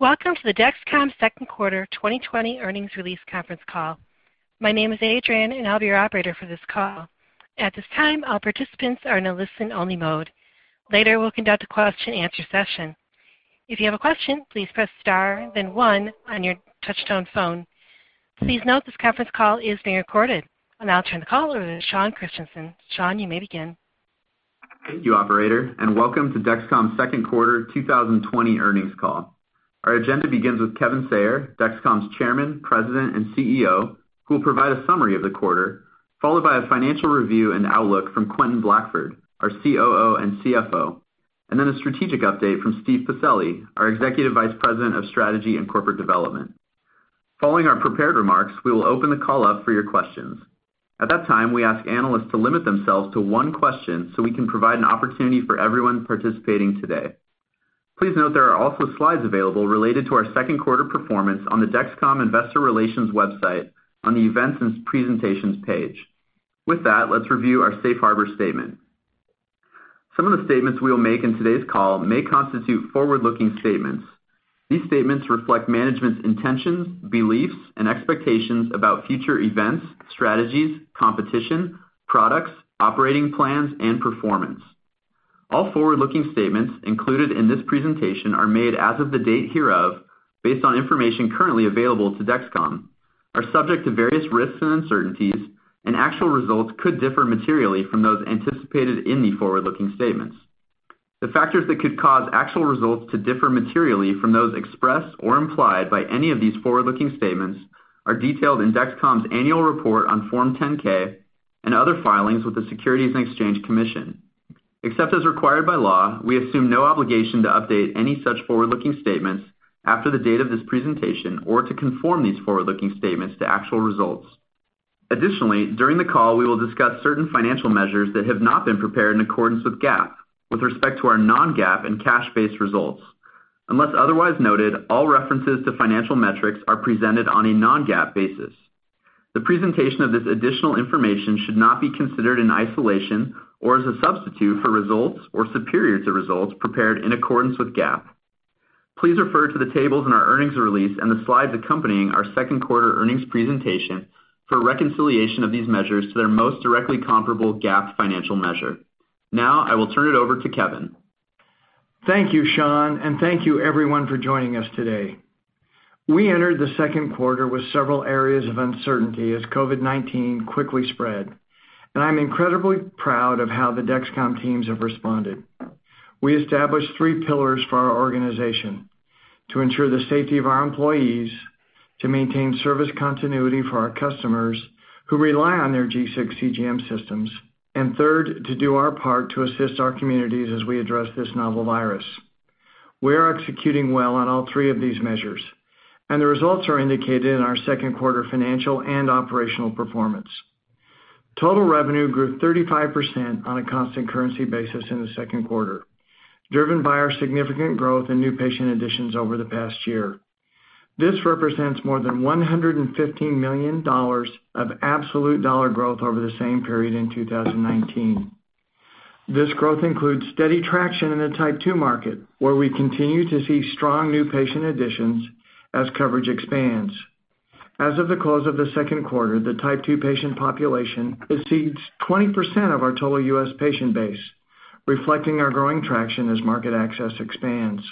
Welcome to the Dexcom Second Quarter 2020 Earnings Release Conference Call. My name is Adrian, and I'll be your operator for this call. At this time, all participants are in a listen-only mode. Later, we'll conduct a question and answer session. If you have a question, please press star then one on your touch-tone phone. Please note this conference call is being recorded. I'll now turn the call over to Sean Christensen. Sean, you may begin. Thank you, Operator, and welcome to Dexcom's Second Quarter 2020 Earnings Call. Our agenda begins with Kevin Sayer, Dexcom's Chairman, President, and CEO, who will provide a summary of the quarter, followed by a financial review and outlook from Quentin Blackford, our COO and CFO, and then a strategic update from Steve Pacelli, our Executive Vice President of Strategy and Corporate Development. Following our prepared remarks, we will open the call up for your questions. At that time, we ask analysts to limit themselves to one question so we can provide an opportunity for everyone participating today. Please note there are also slides available related to our second quarter performance on the Dexcom Investor Relations website on the Events and Presentations page. With that, let's review our safe harbor statement. Some of the statements we will make in today's call may constitute forward-looking statements. These statements reflect management's intentions, beliefs, and expectations about future events, strategies, competition, products, operating plans, and performance. All forward-looking statements included in this presentation are made as of the date hereof, based on information currently available to Dexcom, are subject to various risks and uncertainties, and actual results could differ materially from those anticipated in the forward-looking statements. The factors that could cause actual results to differ materially from those expressed or implied by any of these forward-looking statements are detailed in Dexcom's annual report on Form 10-K and other filings with the Securities and Exchange Commission. Except as required by law, we assume no obligation to update any such forward-looking statements after the date of this presentation or to conform these forward-looking statements to actual results. Additionally, during the call, we will discuss certain financial measures that have not been prepared in accordance with GAAP with respect to our non-GAAP and cash-based results. Unless otherwise noted, all references to financial metrics are presented on a non-GAAP basis. The presentation of this additional information should not be considered in isolation or as a substitute for results or superior to results prepared in accordance with GAAP. Please refer to the tables in our earnings release and the slides accompanying our second quarter earnings presentation for a reconciliation of these measures to their most directly comparable GAAP financial measure. Now, I will turn it over to Kevin. Thank you, Sean, and thank you everyone for joining us today. We entered the second quarter with several areas of uncertainty as COVID-19 quickly spread, and I'm incredibly proud of how the Dexcom teams have responded. We established three pillars for our organization to ensure the safety of our employees, to maintain service continuity for our customers who rely on their G6 CGM systems, and third, to do our part to assist our communities as we address this novel virus. We are executing well on all three of these measures, and the results are indicated in our second quarter financial and operational performance. Total revenue grew 35% on a constant currency basis in the second quarter, driven by our significant growth in new patient additions over the past year. This represents more than $115 million of absolute dollar growth over the same period in 2019. This growth includes steady traction in the Type 1 market, where we continue to see strong new patient additions as coverage expands. As of the close of the second quarter, the Type 2 patient population exceeds 20% of our total U.S. patient base, reflecting our growing traction as market access expands.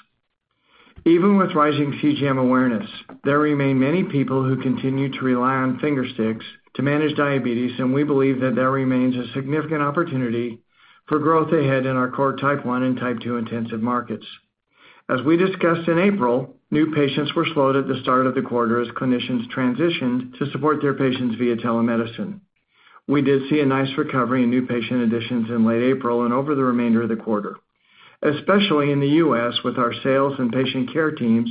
Even with rising CGM awareness, there remain many people who continue to rely on finger sticks to manage diabetes, and we believe that there remains a significant opportunity for growth ahead in our core Type 1 and Type 2 intensive markets. As we discussed in April, new patients were slowed at the start of the quarter as clinicians transitioned to support their patients via telemedicine. We did see a nice recovery in new patient additions in late April and over the remainder of the quarter, especially in the U.S., with our sales and patient care teams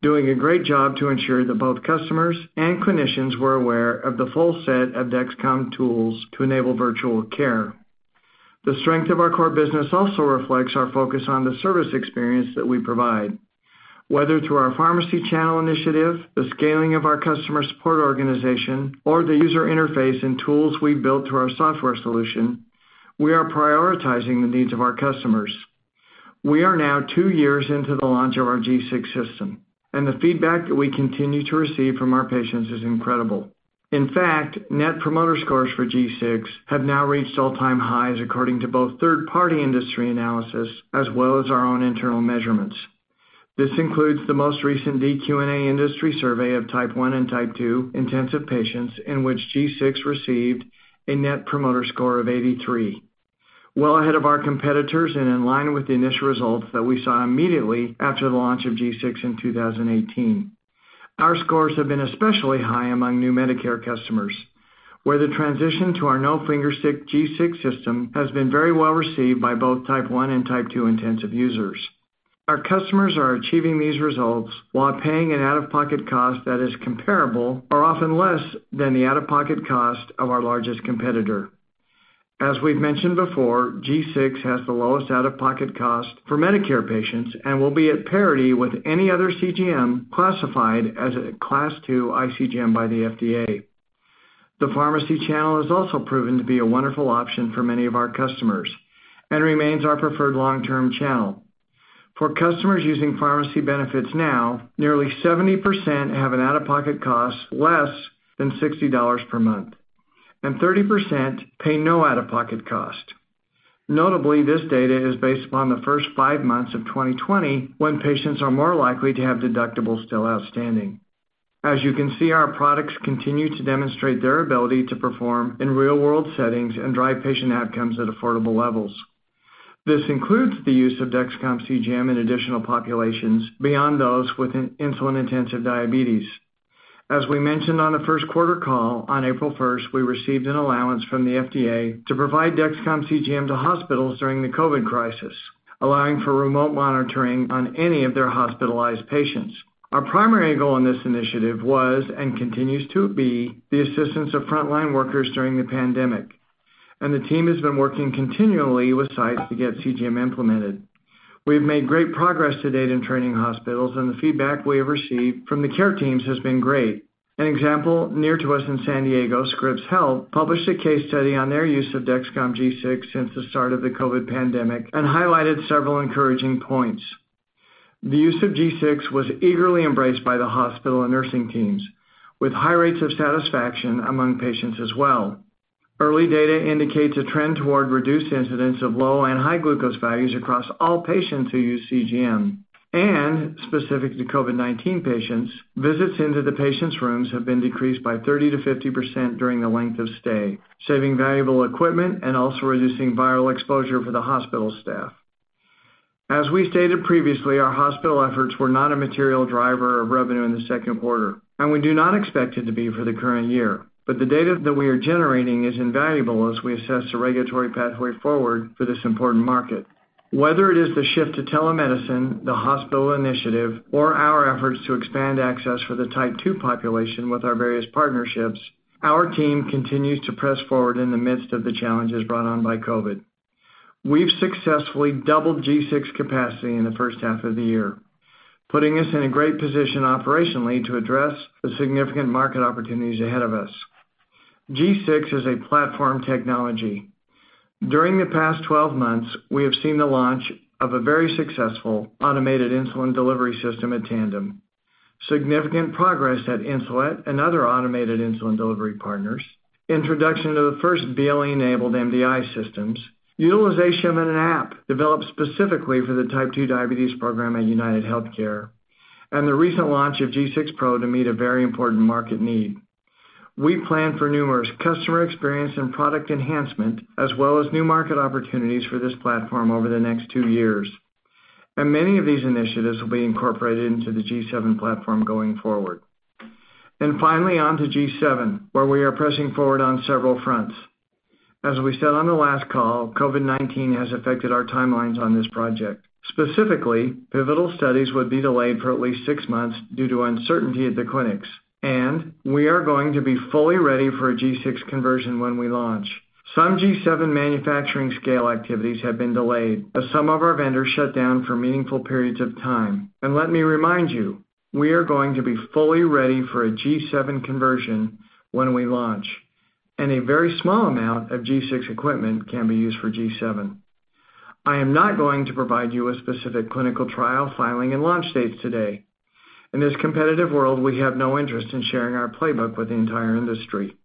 doing a great job to ensure that both customers and clinicians were aware of the full set of Dexcom tools to enable virtual care. The strength of our core business also reflects our focus on the service experience that we provide. Whether through our pharmacy channel initiative, the scaling of our customer support organization, or the user interface and tools we've built through our software solution, we are prioritizing the needs of our customers. We are now two years into the launch of our G6 system, and the feedback that we continue to receive from our patients is incredible. In fact, Net Promoter Scores for G6 have now reached all-time highs according to both third-party industry analysis as well as our own internal measurements. This includes the most recent dQ&A industry survey of Type 1 and Type 2 intensive patients, in which G6 received a Net Promoter Score of 83, well ahead of our competitors and in line with the initial results that we saw immediately after the launch of G6 in 2018. Our scores have been especially high among new Medicare customers, where the transition to our no-fingerstick G6 system has been very well received by both Type 1 and Type 2 intensive users. Our customers are achieving these results while paying an out-of-pocket cost that is comparable or often less than the out-of-pocket cost of our largest competitor. As we've mentioned before, G6 has the lowest out-of-pocket cost for Medicare patients and will be at parity with any other CGM classified as a Class II iCGM by the FDA. The pharmacy channel has also proven to be a wonderful option for many of our customers and remains our preferred long-term channel. For customers using pharmacy benefits now, nearly 70% have an out-of-pocket cost less than $60 per month, and 30% pay no out-of-pocket cost. Notably, this data is based upon the first five months of 2020, when patients are more likely to have deductibles still outstanding. As you can see, our products continue to demonstrate their ability to perform in real-world settings and drive patient outcomes at affordable levels. This includes the use of Dexcom CGM in additional populations beyond those with insulin-intensive diabetes. As we mentioned on the first quarter call, on April 1st, we received an allowance from the FDA to provide Dexcom CGM to hospitals during the COVID-19 crisis, allowing for remote monitoring on any of their hospitalized patients. Our primary goal in this initiative was, and continues to be, the assistance of frontline workers during the pandemic. The team has been working continually with sites to get CGM implemented. We have made great progress to date in training hospitals. The feedback we have received from the care teams has been great. An example, near to us in San Diego, Scripps Health published a case study on their use of Dexcom G6 since the start of the COVID-19 pandemic and highlighted several encouraging points. The use of G6 was eagerly embraced by the hospital and nursing teams, with high rates of satisfaction among patients as well. Early data indicates a trend toward reduced incidence of low and high glucose values across all patients who use CGM. Specific to COVID-19 patients, visits into the patients' rooms have been decreased by 30%-50% during the length of stay, saving valuable equipment and also reducing viral exposure for the hospital staff. As we stated previously, our hospital efforts were not a material driver of revenue in the second quarter, and we do not expect it to be for the current year, but the data that we are generating is invaluable as we assess the regulatory pathway forward for this important market. Whether it is the shift to telemedicine, the hospital initiative, or our efforts to expand access for the Type 2 population with our various partnerships, our team continues to press forward in the midst of the challenges brought on by COVID. We've successfully doubled G6 capacity in the first half of the year, putting us in a great position operationally to address the significant market opportunities ahead of us. G6 is a platform technology. During the past 12 months, we have seen the launch of a very successful automated insulin delivery system at Tandem, significant progress at Insulet and other automated insulin delivery partners, introduction of the first BLE-enabled MDI systems, utilization of an app developed specifically for the Type 2 diabetes program at UnitedHealthcare, and the recent launch of G6 Pro to meet a very important market need. We plan for numerous customer experience and product enhancement as well as new market opportunities for this platform over the next two years. Many of these initiatives will be incorporated into the G7 platform going forward. Finally, on to G7, where we are pressing forward on several fronts. As we said on the last call, COVID-19 has affected our timelines on this project. Specifically, pivotal studies would be delayed for at least six months due to uncertainty at the clinics, and we are going to be fully ready for a G6 conversion when we launch. Some G7 manufacturing scale activities have been delayed, as some of our vendors shut down for meaningful periods of time. Let me remind you, we are going to be fully ready for a G7 conversion when we launch, and a very small amount of G6 equipment can be used for G7. I am not going to provide you a specific clinical trial filing and launch dates today. In this competitive world, we have no interest in sharing our playbook with the entire industry.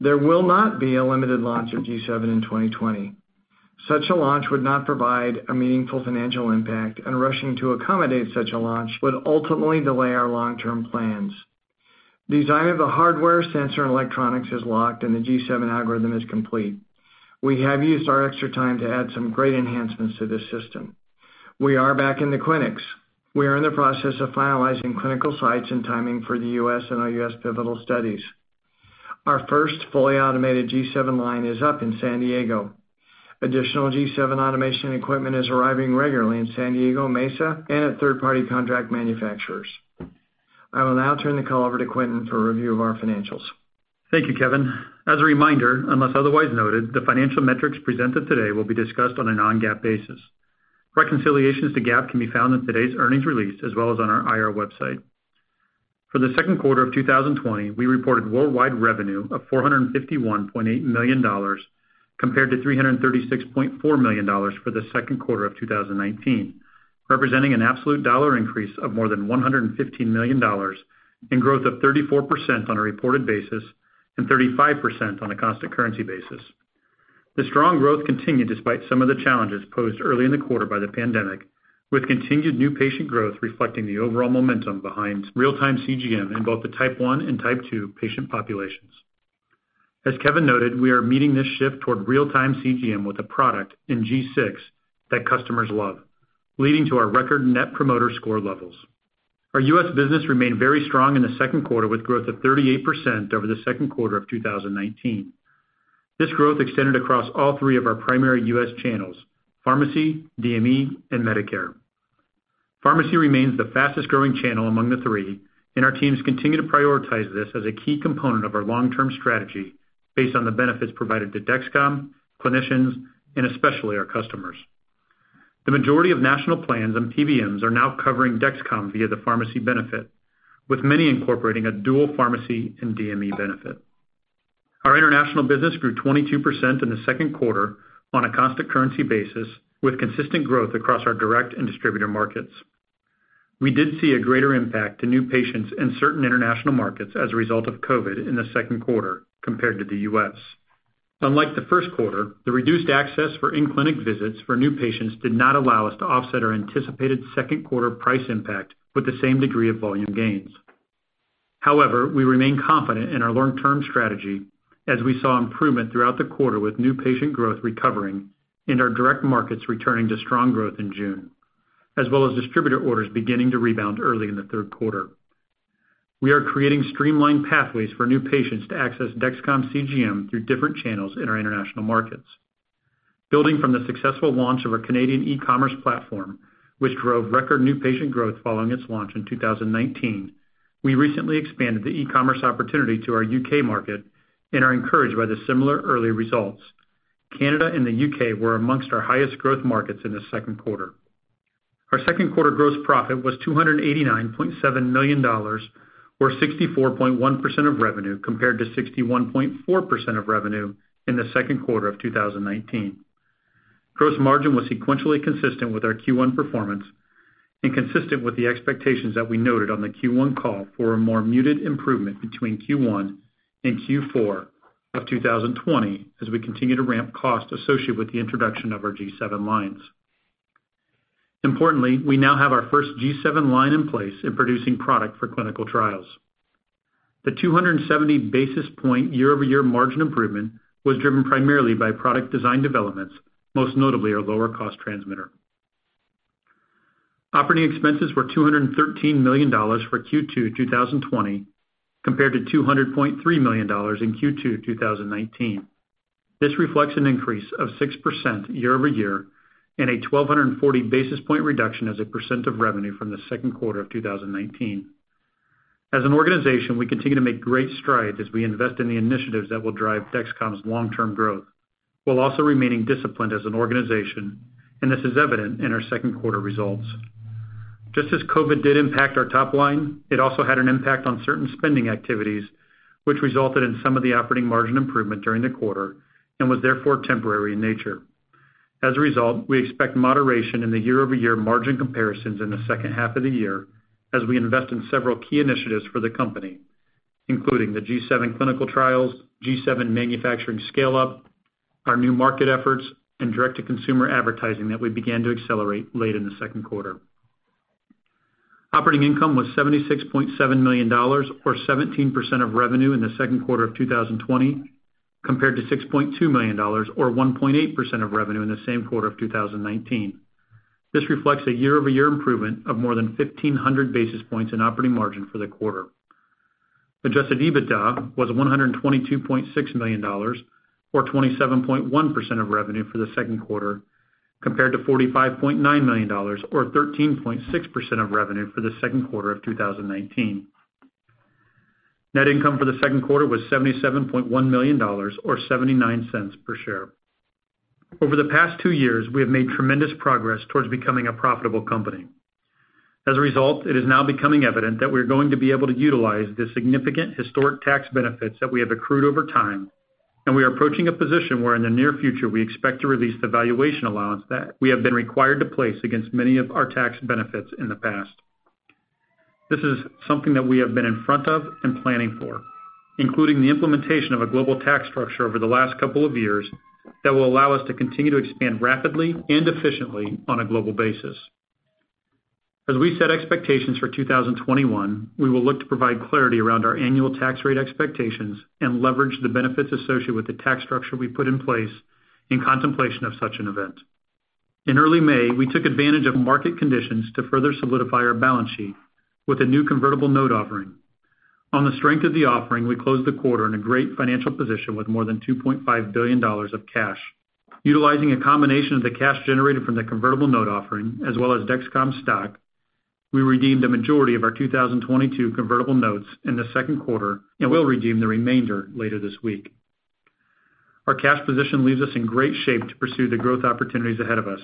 There will not be a limited launch of G7 in 2020. Such a launch would not provide a meaningful financial impact, and rushing to accommodate such a launch would ultimately delay our long-term plans. Design of the hardware sensor and electronics is locked, and the G7 algorithm is complete. We have used our extra time to add some great enhancements to this system. We are back in the clinics. We are in the process of finalizing clinical sites and timing for the U.S. and our U.S. pivotal studies. Our first fully automated G7 line is up in San Diego. Additional G7 automation equipment is arriving regularly in San Diego, Mesa, and at third-party contract manufacturers. I will now turn the call over to Quentin for a review of our financials. Thank you, Kevin. As a reminder, unless otherwise noted, the financial metrics presented today will be discussed on a non-GAAP basis. Reconciliations to GAAP can be found in today's earnings release as well as on our IR website. For the second quarter of 2020, we reported worldwide revenue of $451.8 million compared to $336.4 million for the second quarter of 2019, representing an absolute dollar increase of more than $115 million and growth of 34% on a reported basis and 35% on a constant currency basis. The strong growth continued despite some of the challenges posed early in the quarter by the pandemic, with continued new patient growth reflecting the overall momentum behind real-time CGM in both the Type 1 and Type 2 patient populations. As Kevin noted, we are meeting this shift toward real-time CGM with a product in G6 that customers love, leading to our record Net Promoter Score levels. Our U.S. business remained very strong in the second quarter, with growth of 38% over the second quarter of 2019. This growth extended across all three of our primary U.S. channels, pharmacy, DME, and Medicare. Pharmacy remains the fastest-growing channel among the three, and our teams continue to prioritize this as a key component of our long-term strategy based on the benefits provided to Dexcom, clinicians, and especially our customers. The majority of national plans and PBMs are now covering Dexcom via the pharmacy benefit, with many incorporating a dual pharmacy and DME benefit. Our international business grew 22% in the second quarter on a constant currency basis, with consistent growth across our direct and distributor markets. We did see a greater impact to new patients in certain international markets as a result of COVID in the second quarter compared to the U.S. Unlike the first quarter, the reduced access for in-clinic visits for new patients did not allow us to offset our anticipated second quarter price impact with the same degree of volume gains. However, we remain confident in our long-term strategy as we saw improvement throughout the quarter, with new patient growth recovering and our direct markets returning to strong growth in June, as well as distributor orders beginning to rebound early in the third quarter. We are creating streamlined pathways for new patients to access Dexcom CGM through different channels in our international markets. Building from the successful launch of our Canadian e-commerce platform, which drove record new patient growth following its launch in 2019, we recently expanded the e-commerce opportunity to our U.K. market and are encouraged by the similar early results. Canada and the U.K. were amongst our highest growth markets in the second quarter. Our second quarter gross profit was $289.7 million, or 64.1% of revenue, compared to 61.4% of revenue in the second quarter of 2019. Gross margin was sequentially consistent with our Q1 performance and consistent with the expectations that we noted on the Q1 call for a more muted improvement between Q1 and Q4 of 2020, as we continue to ramp costs associated with the introduction of our G7 lines. Importantly, we now have our first G7 line in place in producing product for clinical trials. The 270 basis point year-over-year margin improvement was driven primarily by product design developments, most notably our lower cost transmitter. Operating expenses were $213 million for Q2 2020, compared to $200.3 million in Q2 2019. This reflects an increase of 6% year-over-year and a 1,240 basis point reduction as a percent of revenue from the second quarter of 2019. As an organization, we continue to make great strides as we invest in the initiatives that will drive Dexcom's long-term growth while also remaining disciplined as an organization, this is evident in our second quarter results. Just as COVID did impact our top line, it also had an impact on certain spending activities, which resulted in some of the operating margin improvement during the quarter and was therefore temporary in nature. As a result, we expect moderation in the year-over-year margin comparisons in the second half of the year as we invest in several key initiatives for the company, including the G7 clinical trials, G7 manufacturing scale-up, our new market efforts, and direct-to-consumer advertising that we began to accelerate late in the second quarter. Operating income was $76.7 million, or 17% of revenue in the second quarter of 2020, compared to $6.2 million or 1.8% of revenue in the same quarter of 2019. This reflects a year-over-year improvement of more than 1,500 basis points in operating margin for the quarter. Adjusted EBITDA was $122.6 million, or 27.1% of revenue for the second quarter, compared to $45.9 million or 13.6% of revenue for the second quarter of 2019. Net income for the second quarter was $77.1 million, or $0.79 per share. Over the past two years, we have made tremendous progress towards becoming a profitable company. As a result, it is now becoming evident that we are going to be able to utilize the significant historic tax benefits that we have accrued over time, and we are approaching a position where in the near future, we expect to release the valuation allowance that we have been required to place against many of our tax benefits in the past. This is something that we have been in front of and planning for, including the implementation of a global tax structure over the last couple of years that will allow us to continue to expand rapidly and efficiently on a global basis. As we set expectations for 2021, we will look to provide clarity around our annual tax rate expectations and leverage the benefits associated with the tax structure we put in place in contemplation of such an event. In early May, we took advantage of market conditions to further solidify our balance sheet with a new convertible note offering. On the strength of the offering, we closed the quarter in a great financial position with more than $2.5 billion of cash. Utilizing a combination of the cash generated from the convertible note offering as well as Dexcom stock, we redeemed a majority of our 2022 convertible notes in the second quarter and will redeem the remainder later this week. Our cash position leaves us in great shape to pursue the growth opportunities ahead of us,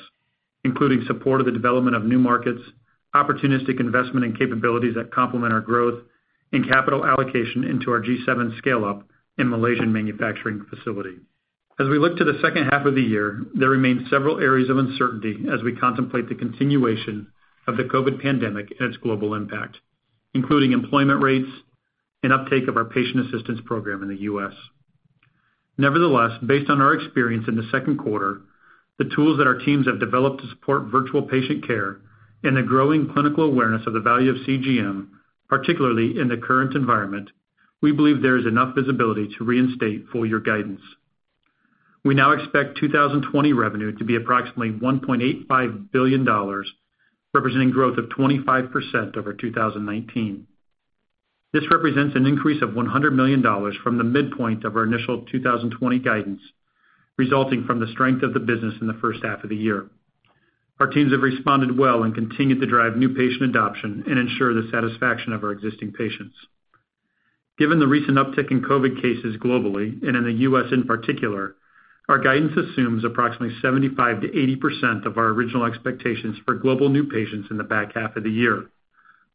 including support of the development of new markets, opportunistic investment in capabilities that complement our growth, and capital allocation into our G7 scale-up and Malaysian manufacturing facility. As we look to the second half of the year, there remain several areas of uncertainty as we contemplate the continuation of the COVID-19 pandemic and its global impact, including employment rates and uptake of our Patient Assistance Program in the U.S. Nevertheless, based on our experience in the second quarter, the tools that our teams have developed to support virtual patient care, and the growing clinical awareness of the value of CGM, particularly in the current environment, we believe there is enough visibility to reinstate full-year guidance. We now expect 2020 revenue to be approximately $1.85 billion, representing growth of 25% over 2019. This represents an increase of $100 million from the midpoint of our initial 2020 guidance, resulting from the strength of the business in the first half of the year. Our teams have responded well and continued to drive new patient adoption and ensure the satisfaction of our existing patients. Given the recent uptick in COVID-19 cases globally and in the U.S. in particular, our guidance assumes approximately 75%-80% of our original expectations for global new patients in the back half of the year,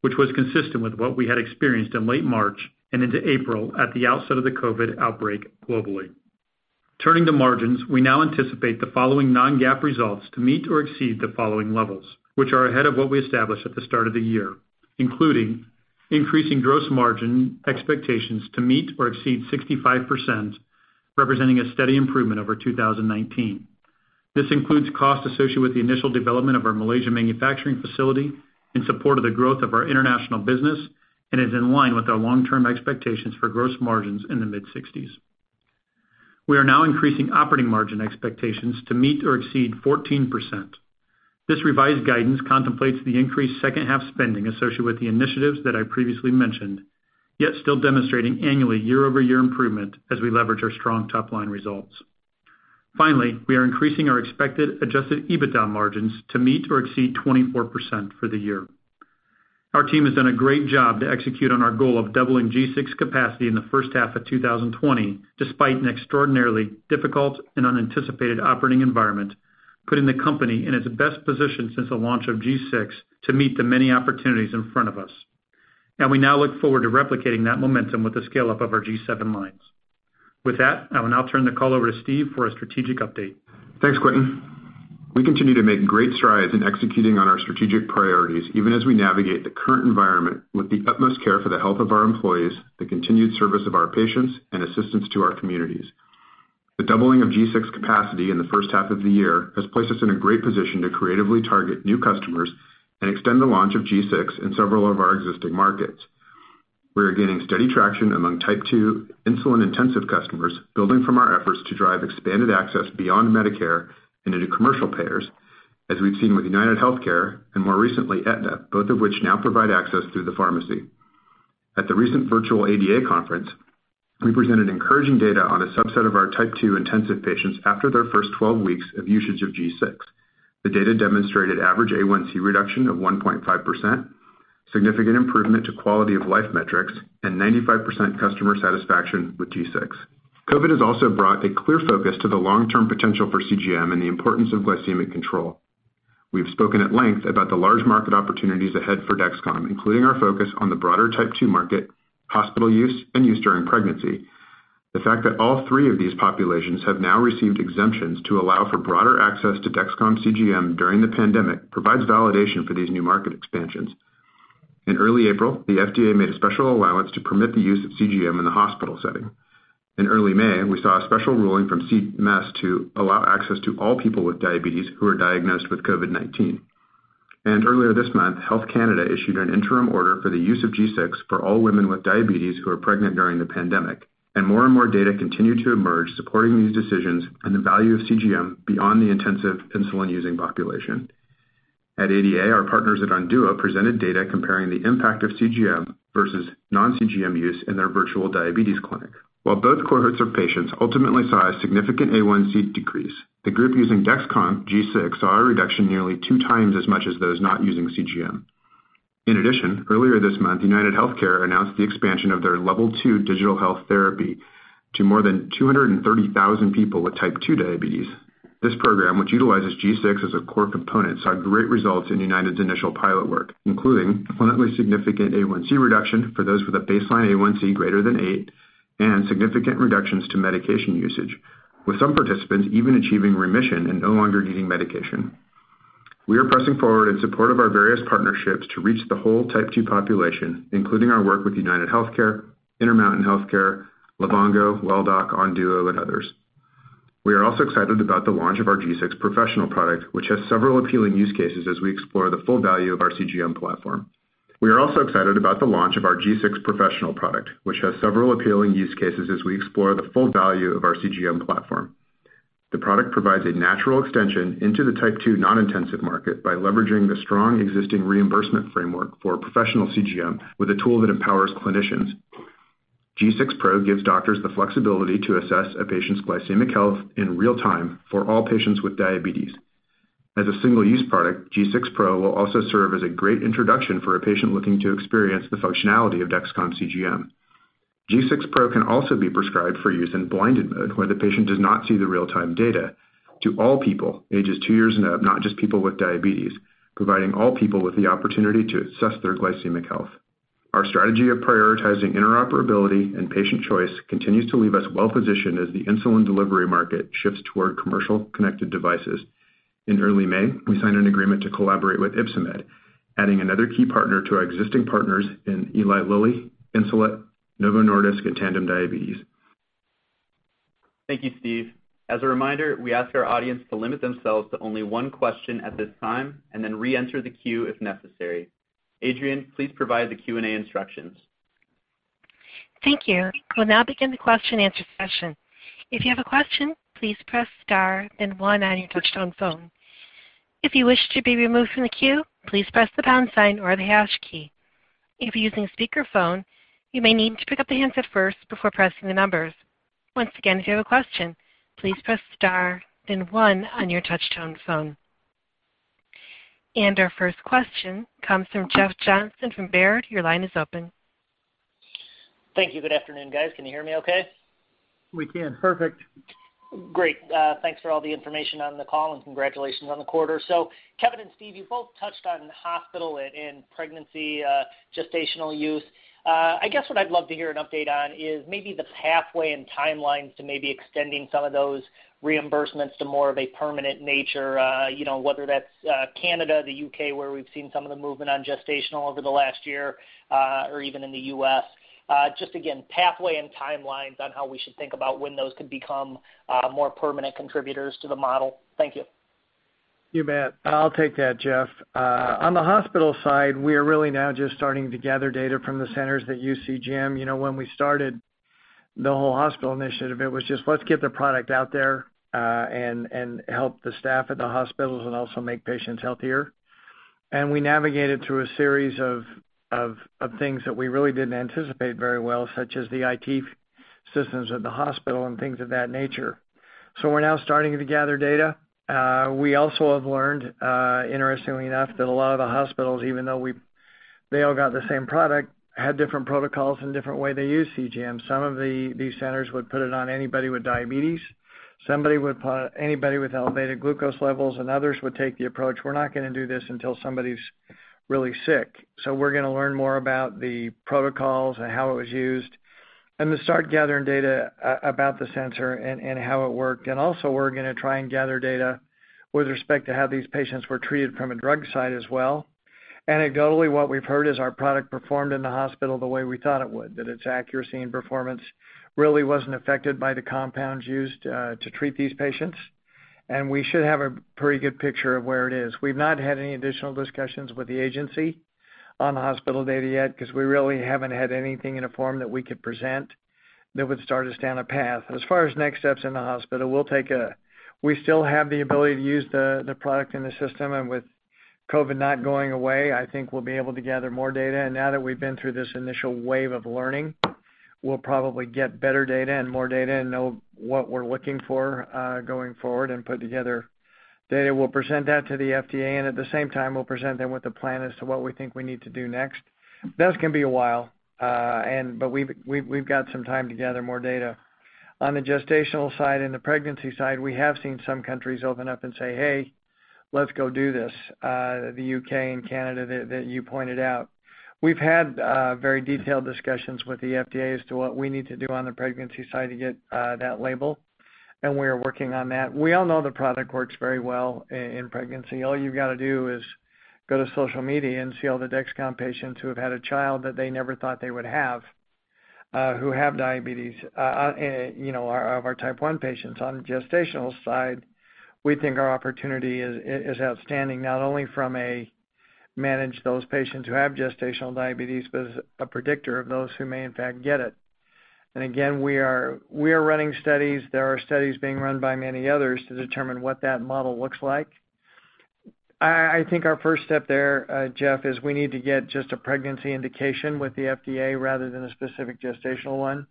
which was consistent with what we had experienced in late March and into April at the outset of the COVID-19 outbreak globally. Turning to margins, we now anticipate the following non-GAAP results to meet or exceed the following levels, which are ahead of what we established at the start of the year, including increasing gross margin expectations to meet or exceed 65%, representing a steady improvement over 2019. This includes costs associated with the initial development of our Malaysia manufacturing facility in support of the growth of our international business and is in line with our long-term expectations for gross margins in the mid-60s. We are now increasing operating margin expectations to meet or exceed 14%. This revised guidance contemplates the increased second half spending associated with the initiatives that I previously mentioned, yet still demonstrating annually year-over-year improvement as we leverage our strong top-line results. Finally, we are increasing our expected adjusted EBITDA margins to meet or exceed 24% for the year. Our team has done a great job to execute on our goal of doubling G6 capacity in the first half of 2020, despite an extraordinarily difficult and unanticipated operating environment, putting the company in its best position since the launch of G6 to meet the many opportunities in front of us. We now look forward to replicating that momentum with the scale-up of our G7 lines. With that, I will now turn the call over to Steve for a strategic update. Thanks, Quentin. We continue to make great strides in executing on our strategic priorities, even as we navigate the current environment with the utmost care for the health of our employees, the continued service of our patients, and assistance to our communities. The doubling of G6 capacity in the first half of the year has placed us in a great position to creatively target new customers and extend the launch of G6 in several of our existing markets. We are gaining steady traction among Type 2 insulin-intensive customers, building from our efforts to drive expanded access beyond Medicare and into commercial payers, as we've seen with UnitedHealthcare and more recently, Aetna, both of which now provide access through the pharmacy. At the recent virtual ADA conference, we presented encouraging data on a subset of our Type 2 intensive patients after their first 12 weeks of usage of G6. The data demonstrated average A1C reduction of 1.5%, significant improvement to quality-of-life metrics, and 95% customer satisfaction with G6. COVID has also brought a clear focus to the long-term potential for CGM and the importance of glycemic control. We've spoken at length about the large market opportunities ahead for Dexcom, including our focus on the broader Type 2 market, hospital use, and use during pregnancy. The fact that all three of these populations have now received exemptions to allow for broader access to Dexcom CGM during the pandemic provides validation for these new market expansions. In early April, the FDA made a special allowance to permit the use of CGM in the hospital setting. In early May, we saw a special ruling from CMS to allow access to all people with diabetes who are diagnosed with COVID-19. Earlier this month, Health Canada issued an interim order for the use of G6 for all women with diabetes who are pregnant during the pandemic, and more and more data continue to emerge supporting these decisions and the value of CGM beyond the intensive insulin-using population. At ADA, our partners at Onduo presented data comparing the impact of CGM versus non-CGM use in their virtual diabetes clinic. While both cohorts of patients ultimately saw a significant A1C decrease, the group using Dexcom G6 saw a reduction nearly two times as much as those not using CGM. In addition, earlier this month, UnitedHealthcare announced the expansion of their Level 2 digital health therapy to more than 230,000 people with Type 2 diabetes. This program, which utilizes G6 as a core component, saw great results in United's initial pilot work, including a clinically significant A1C reduction for those with a baseline A1C greater than eight and significant reductions to medication usage, with some participants even achieving remission and no longer needing medication. We are pressing forward in support of our various partnerships to reach the whole Type 2 population, including our work with UnitedHealthcare, Intermountain Healthcare, Livongo, Welldoc, Onduo, and others. We are also excited about the launch of our G6 Professional product, which has several appealing use cases as we explore the full value of our CGM platform. We are also excited about the launch of our G6 Professional product, which has several appealing use cases as we explore the full value of our CGM platform. The product provides a natural extension into the Type 2 non-intensive market by leveraging the strong existing reimbursement framework for professional CGM with a tool that empowers clinicians. G6 Pro gives doctors the flexibility to assess a patient's glycemic health in real-time for all patients with diabetes. As a single-use product, G6 Pro will also serve as a great introduction for a patient looking to experience the functionality of Dexcom CGM. G6 Pro can also be prescribed for use in blinded mode, where the patient does not see the real-time data, to all people ages two years and up, not just people with diabetes, providing all people with the opportunity to assess their glycemic health. Our strategy of prioritizing interoperability and patient choice continues to leave us well-positioned as the insulin delivery market shifts toward commercial connected devices. In early May, we signed an agreement to collaborate with Ypsomed, adding another key partner to our existing partners in Eli Lilly, Insulet, Novo Nordisk, and Tandem Diabetes. Thank you, Steve. As a reminder, we ask our audience to limit themselves to only one question at this time and then reenter the queue if necessary. Adrian, please provide the Q&A instructions. Thank you. We'll now begin the question and answer session. If you have a question, please press star then one on your touch-tone phone. If you wish to be removed from the queue, please press the pound sign or the hash key. If you're using a speakerphone, you may need to pick up the handset first before pressing the numbers. Once again, if you have a question, please press star then one on your touch-tone phone. Our first question comes from Jeff Johnson from Baird. Your line is open. Thank you. Good afternoon, guys. Can you hear me okay? We can. Perfect. Great. Thanks for all the information on the call. Congratulations on the quarter. Kevin and Steve, you both touched on hospital and pregnancy gestational use. I guess what I'd love to hear an update on is maybe the pathway and timelines to maybe extending some of those reimbursements to more of a permanent nature, whether that's Canada, the U.K., where we've seen some of the movement on gestational over the last year, or even in the U.S. Just again, pathway and timelines on how we should think about when those could become more permanent contributors to the model. Thank you. You bet. I'll take that, Jeff. On the hospital side, we are really now just starting to gather data from the centers that use CGM. When we started the whole hospital initiative, it was just let's get the product out there, and help the staff at the hospitals and also make patients healthier. We navigated through a series of things that we really didn't anticipate very well, such as the IT systems at the hospital and things of that nature. We're now starting to gather data. We also have learned, interestingly enough, that a lot of the hospitals, even though they all got the same product, had different protocols and different way they use CGM. Some of these centers would put it on anybody with diabetes. Somebody would put it on anybody with elevated glucose levels. Others would take the approach, "We're not going to do this until somebody's really sick." We're going to learn more about the protocols and how it was used. Then start gathering data about the sensor and how it worked. Also we're going to try and gather data with respect to how these patients were treated from a drug side as well. Anecdotally, what we've heard is our product performed in the hospital the way we thought it would, that its accuracy and performance really wasn't affected by the compounds used to treat these patients. We should have a pretty good picture of where it is. We've not had any additional discussions with the agency on the hospital data yet because we really haven't had anything in a form that we could present that would start us down a path. As far as next steps in the hospital, we still have the ability to use the product and the system, and with COVID-19 not going away, I think we'll be able to gather more data. Now that we've been through this initial wave of learning, we'll probably get better data and more data and know what we're looking for going forward and put together data. We'll present that to the FDA, and at the same time, we'll present them with a plan as to what we think we need to do next. Those can be a while. We've got some time to gather more data. On the gestational side and the pregnancy side, we have seen some countries open up and say, "Hey, let's go do this." The U.K. and Canada that you pointed out. We've had very detailed discussions with the FDA as to what we need to do on the pregnancy side to get that label, and we are working on that. We all know the product works very well in pregnancy. All you've got to do is go to social media and see all the Dexcom patients who have had a child that they never thought they would have, who have diabetes of our Type 1 patients. On the gestational side, we think our opportunity is outstanding, not only from a manage those patients who have gestational diabetes, but as a predictor of those who may in fact get it. Again, we are running studies. There are studies being run by many others to determine what that model looks like. I think our first step there, Jeff, is we need to get just a pregnancy indication with the FDA rather than a specific gestational one,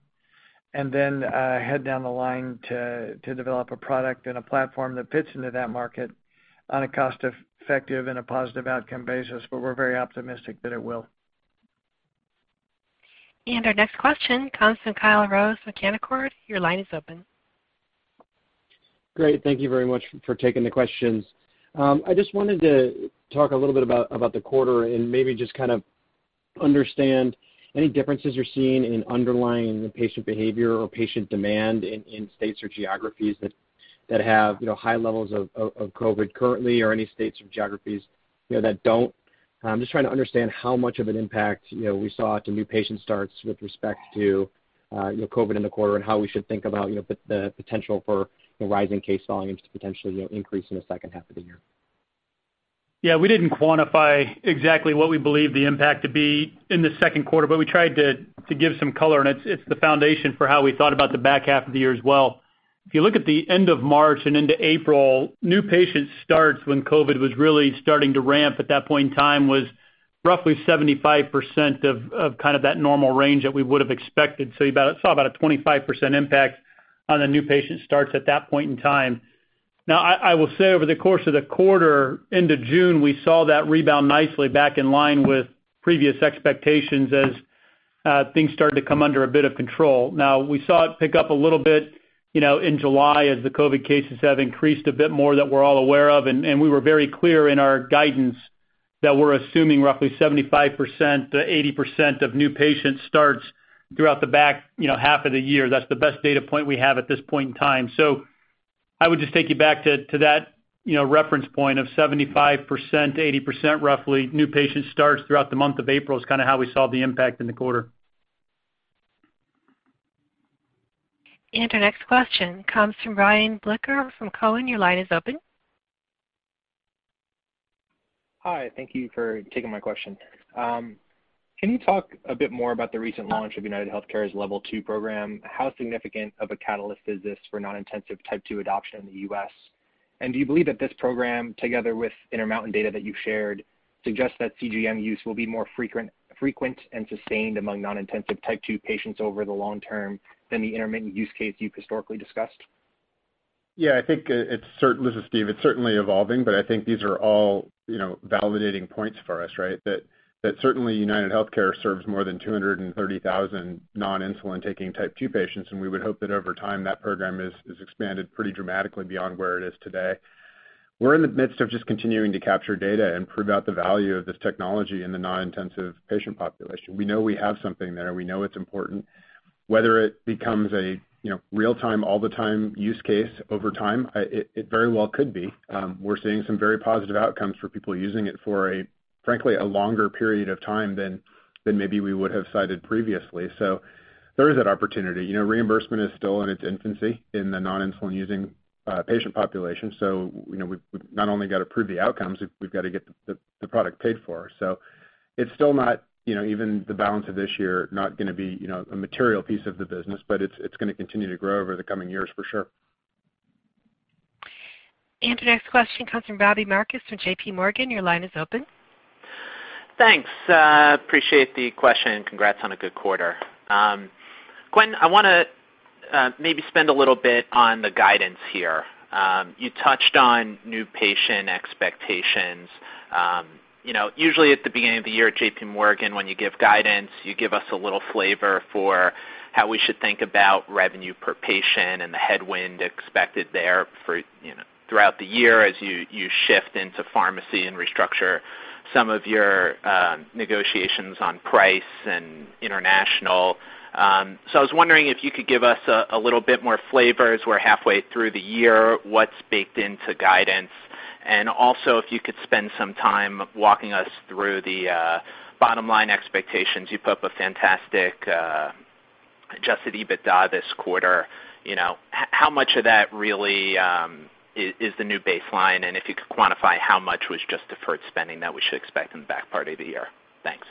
and then head down the line to develop a product and a platform that fits into that market on a cost effective and a positive outcome basis. We're very optimistic that it will. Our next question comes from Kyle Rose with Canaccord. Your line is open. Great. Thank you very much for taking the questions. I just wanted to talk a little bit about the quarter and maybe just kind of understand any differences you're seeing in underlying patient behavior or patient demand in states or geographies that have high levels of COVID currently or any states or geographies that don't. I'm just trying to understand how much of an impact we saw to new patient starts with respect to COVID in the quarter and how we should think about the potential for rising case volumes to potentially increase in the second half of the year. Yeah. We didn't quantify exactly what we believe the impact to be in the second quarter, but we tried to give some color, and it's the foundation for how we thought about the back half of the year as well. If you look at the end of March and into April, new patient starts when COVID-19 was really starting to ramp at that point in time was roughly 75% of kind of that normal range that we would've expected. You saw about a 25% impact on the new patient starts at that point in time. Now, I will say over the course of the quarter into June, we saw that rebound nicely back in line with previous expectations as things started to come under a bit of control. We saw it pick up a little bit in July as the COVID cases have increased a bit more that we're all aware of, and we were very clear in our guidance that we're assuming roughly 75%-80% of new patient starts throughout the back half of the year. That's the best data point we have at this point in time. I would just take you back to that reference point of 75%, 80%, roughly new patient starts throughout the month of April is kind of how we saw the impact in the quarter. Our next question comes from Ryan Blicker from Cowen. Your line is open. Hi. Thank you for taking my question. Can you talk a bit more about the recent launch of UnitedHealthcare's Level 2 program? How significant of a catalyst is this for non-intensive Type 2 adoption in the U.S.? Do you believe that this program, together with Intermountain data that you've shared, suggests that CGM use will be more frequent and sustained among non-intensive Type 2 patients over the long term than the intermittent use case you've historically discussed? Yeah, I think, this is Steve, it's certainly evolving, but I think these are all validating points for us, right? Certainly UnitedHealthcare serves more than 230,000 non-insulin taking Type 2 patients. We would hope that over time that program is expanded pretty dramatically beyond where it is today. We're in the midst of just continuing to capture data and prove out the value of this technology in the non-intensive patient population. We know we have something there. We know it's important. Whether it becomes a real-time, all the time use case over time, it very well could be. We're seeing some very positive outcomes for people using it for frankly, a longer period of time than maybe we would have cited previously. There is that opportunity. Reimbursement is still in its infancy in the non-insulin using patient population. We've not only got to prove the outcomes, we've got to get the product paid for. It's still not, even the balance of this year, not going to be a material piece of the business, but it's going to continue to grow over the coming years for sure. The next question comes from Robbie Marcus from JPMorgan. Your line is open. Thanks. Appreciate the question and congrats on a good quarter. Quentin, I want to maybe spend a little bit on the guidance here. You touched on new patient expectations. Usually at the beginning of the year at JPMorgan, when you give guidance, you give us a little flavor for how we should think about revenue per patient and the headwind expected there throughout the year as you shift into pharmacy and restructure some of your negotiations on price and international. I was wondering if you could give us a little bit more flavor as we're halfway through the year, what's baked into guidance, and also if you could spend some time walking us through the bottom line expectations. You put up a fantastic adjusted EBITDA this quarter. How much of that really is the new baseline? If you could quantify how much was just deferred spending that we should expect in the back part of the year. Thanks.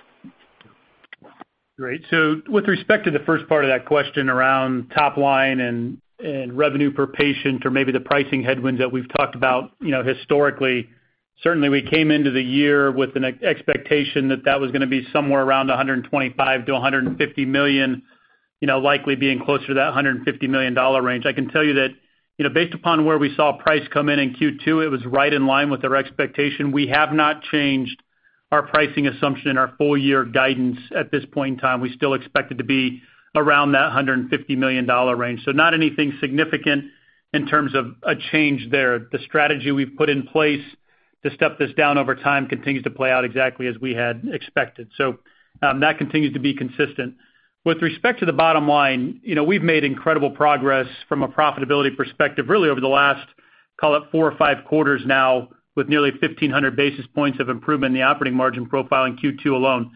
Great. With respect to the first part of that question around top line and revenue per patient or maybe the pricing headwinds that we've talked about historically, certainly we came into the year with an expectation that that was going to be somewhere around $125 million-$150 million, likely being closer to that $150 million range. I can tell you that based upon where we saw price come in in Q2, it was right in line with our expectation. We have not changed our pricing assumption in our full year guidance at this point in time. We still expect it to be around that $150 million range. Not anything significant in terms of a change there. The strategy we've put in place to step this down over time continues to play out exactly as we had expected. That continues to be consistent. With respect to the bottom line, we've made incredible progress from a profitability perspective, really over the last, call it four or five quarters now, with nearly 1,500 basis points of improvement in the operating margin profile in Q2 alone.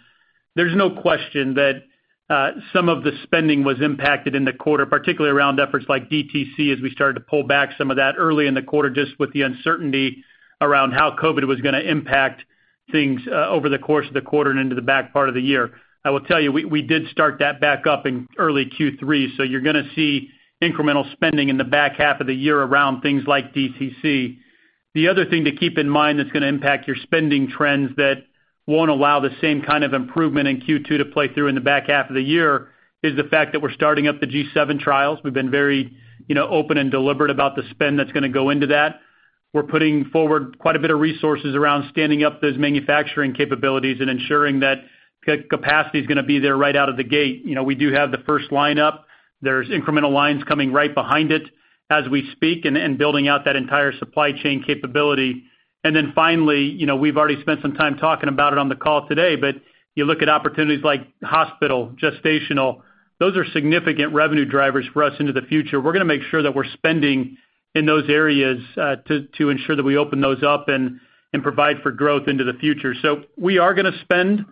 There's no question that some of the spending was impacted in the quarter, particularly around efforts like DTC as we started to pull back some of that early in the quarter just with the uncertainty around how COVID-19 was going to impact things over the course of the quarter and into the back part of the year. I will tell you, we did start that back up in early Q3. You're going to see incremental spending in the back half of the year around things like DTC. The other thing to keep in mind that's going to impact your spending trends that won't allow the same kind of improvement in Q2 to play through in the back half of the year is the fact that we're starting up the G7 trials. We've been very open and deliberate about the spend that's going to go into that. We're putting forward quite a bit of resources around standing up those manufacturing capabilities and ensuring that capacity is going to be there right out of the gate. We do have the first line up. There's incremental lines coming right behind it as we speak and building out that entire supply chain capability. Finally, we've already spent some time talking about it on the call today, but you look at opportunities like hospital, gestational. Those are significant revenue drivers for us into the future. We're going to make sure that we're spending in those areas to ensure that we open those up and provide for growth into the future. We are going to spend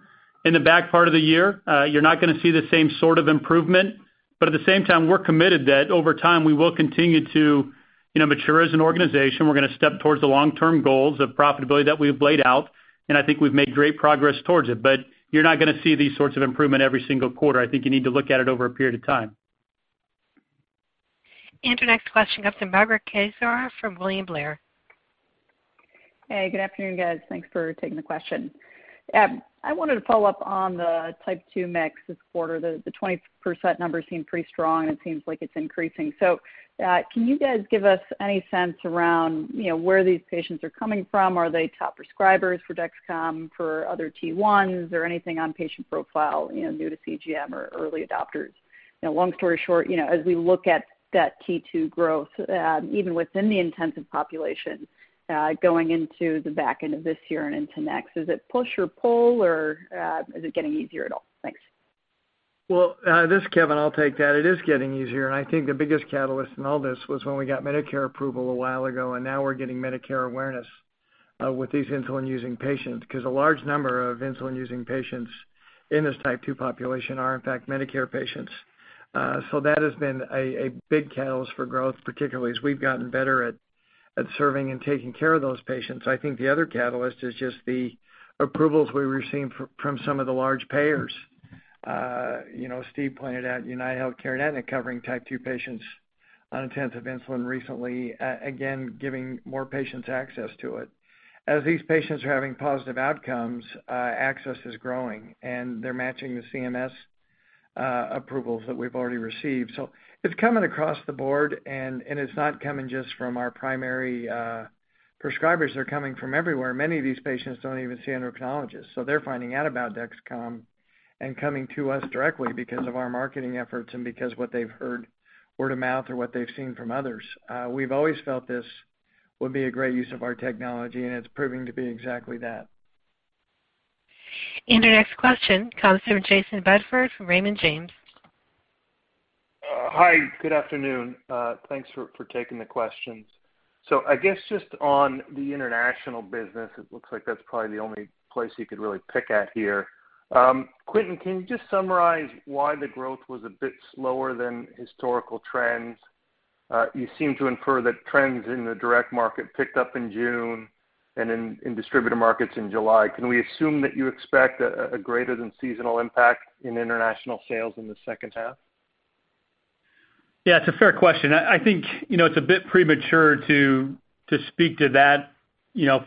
in the back part of the year. You're not going to see the same sort of improvement, but at the same time, we're committed that over time we will continue to mature as an organization. We're going to step towards the long-term goals of profitability that we've laid out, and I think we've made great progress towards it. You're not going to see these sorts of improvement every single quarter. I think you need to look at it over a period of time. The next question comes from Margaret Kaczor from William Blair. Hey, good afternoon, guys. Thanks for taking the question. I wanted to follow up on the Type 2 mix this quarter. The 20% number seemed pretty strong, and it seems like it's increasing. Can you guys give us any sense around where these patients are coming from? Are they top prescribers for Dexcom, for other T1s or anything on patient profile, new to CGM or early adopters? Long story short, as we look at that T2 growth, even within the intensive population, going into the back end of this year and into next, is it push or pull, or is it getting easier at all? Thanks. Well, this is Kevin. I'll take that. It is getting easier, and I think the biggest catalyst in all this was when we got Medicare approval a while ago, and now we're getting Medicare awareness with these insulin using patients, because a large number of insulin using patients in this Type 2 population are in fact Medicare patients. That has been a big catalyst for growth, particularly as we've gotten better at serving and taking care of those patients. I think the other catalyst is just the approvals we've received from some of the large payers. As Steve pointed out, UnitedHealthcare and Aetna covering Type 2 patients on intensive insulin recently, again, giving more patients access to it. As these patients are having positive outcomes, access is growing, and they're matching the CMS approvals that we've already received. It's coming across the board, and it's not coming just from our primary prescribers. They're coming from everywhere. Many of these patients don't even see endocrinologists. They're finding out about Dexcom and coming to us directly because of our marketing efforts and because what they've heard word of mouth or what they've seen from others. We've always felt this would be a great use of our technology, and it's proving to be exactly that. Our next question comes from Jayson Bedford from Raymond James. Hi, good afternoon. Thanks for taking the questions. I guess just on the international business, it looks like that's probably the only place you could really pick at here. Quentin, can you just summarize why the growth was a bit slower than historical trends? You seem to infer that trends in the direct market picked up in June and in distributor markets in July. Can we assume that you expect a greater than seasonal impact in international sales in the second half? Yeah, it's a fair question. I think it's a bit premature to speak to that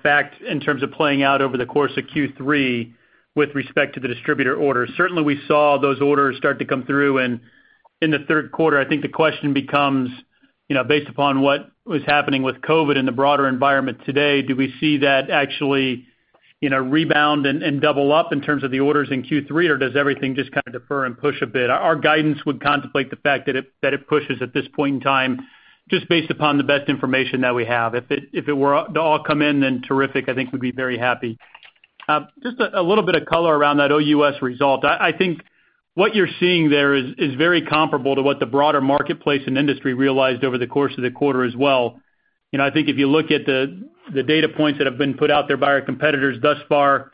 fact in terms of playing out over the course of Q3 with respect to the distributor orders. Certainly, we saw those orders start to come through. In the third quarter, I think the question becomes, based upon what was happening with COVID in the broader environment today, do we see that actually rebound and double up in terms of the orders in Q3, or does everything just kind of defer and push a bit? Our guidance would contemplate the fact that it pushes at this point in time just based upon the best information that we have. If it were to all come in, terrific. I think we'd be very happy. Just a little bit of color around that OUS result. I think what you're seeing there is very comparable to what the broader marketplace and industry realized over the course of the quarter as well. I think if you look at the data points that have been put out there by our competitors thus far,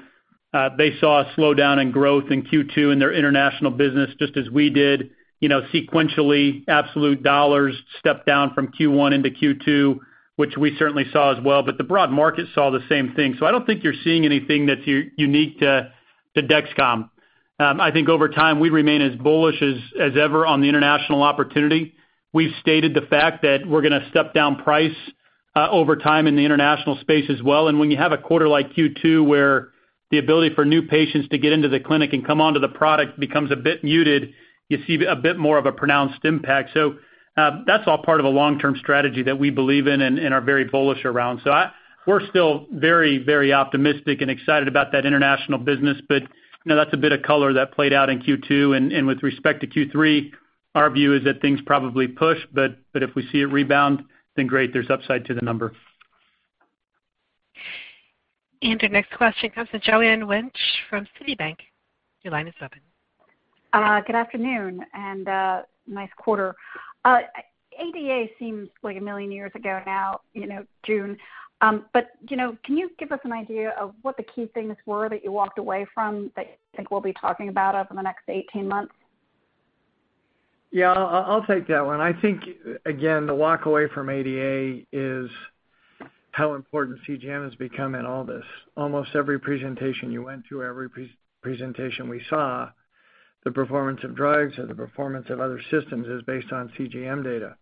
they saw a slowdown in growth in Q2 in their international business just as we did. Sequentially, absolute dollars stepped down from Q1 into Q2, which we certainly saw as well. The broad market saw the same thing. I don't think you're seeing anything that's unique to Dexcom. I think over time, we remain as bullish as ever on the international opportunity. We've stated the fact that we're going to step down price over time in the international space as well. When you have a quarter like Q2 where the ability for new patients to get into the clinic and come onto the product becomes a bit muted, you see a bit more of a pronounced impact. That's all part of a long-term strategy that we believe in and are very bullish around. We're still very optimistic and excited about that international business. That's a bit of color that played out in Q2. With respect to Q3, our view is that things probably push, but if we see a rebound, then great, there's upside to the number. The next question comes to Joanne Wuensch from Citibank. Your line is open. Good afternoon, nice quarter. ADA seems like a million years ago now, June. Can you give us an idea of what the key things were that you walked away from that you think we'll be talking about over the next 18 months? Yeah, I'll take that one. I think, again, the walk away from ADA is how important CGM has become in all this. Almost every presentation you went to, every presentation we saw, the performance of drugs or the performance of other systems is based on CGM data.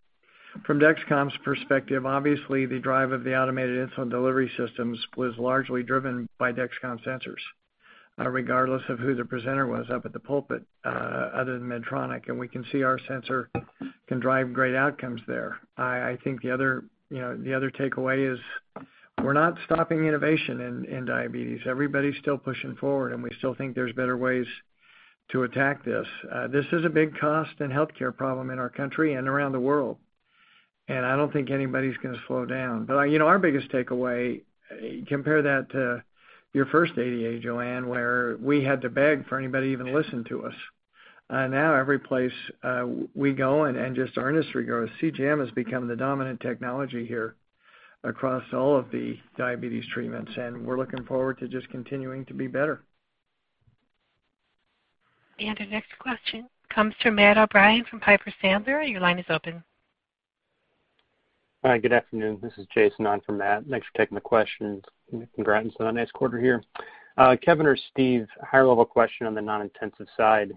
From Dexcom's perspective, obviously the drive of the automated insulin delivery systems was largely driven by Dexcom sensors, regardless of who the presenter was up at the pulpit, other than Medtronic. We can see our sensor can drive great outcomes there. I think the other takeaway is we're not stopping innovation in diabetes. Everybody's still pushing forward, and we still think there's better ways to attack this. This is a big cost and healthcare problem in our country and around the world. I don't think anybody's going to slow down. Our biggest takeaway, compare that to your first ADA, Joanne, where we had to beg for anybody to even listen to us. Now every place we go and just our industry goes, CGM has become the dominant technology here across all of the diabetes treatments, and we're looking forward to just continuing to be better. Our next question comes from Matt O'Brien from Piper Sandler. Your line is open. Hi, good afternoon. This is Jason on for Matt. Thanks for taking the questions. Congratulations on a nice quarter here. Kevin or Steve, higher level question on the non-intensive side.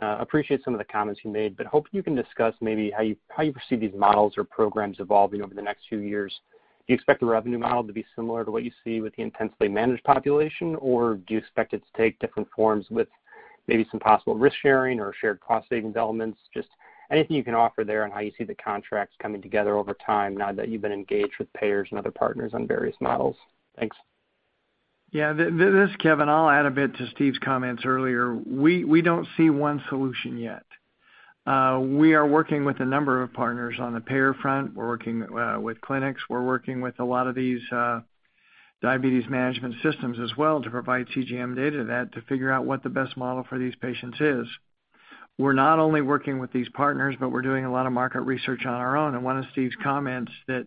Appreciate some of the comments you made, but hope you can discuss maybe how you perceive these models or programs evolving over the next few years. Do you expect the revenue model to be similar to what you see with the intensely managed population, or do you expect it to take different forms with maybe some possible risk sharing or shared cost saving elements? Just anything you can offer there on how you see the contracts coming together over time now that you've been engaged with payers and other partners on various models. Thanks. Yeah, this is Kevin. I'll add a bit to Steve's comments earlier. We don't see one solution yet. We are working with a number of partners on the payer front. We're working with clinics. We're working with a lot of these diabetes management systems as well to provide CGM data to figure out what the best model for these patients is. We're not only working with these partners, but we're doing a lot of market research on our own. One of Steve's comments that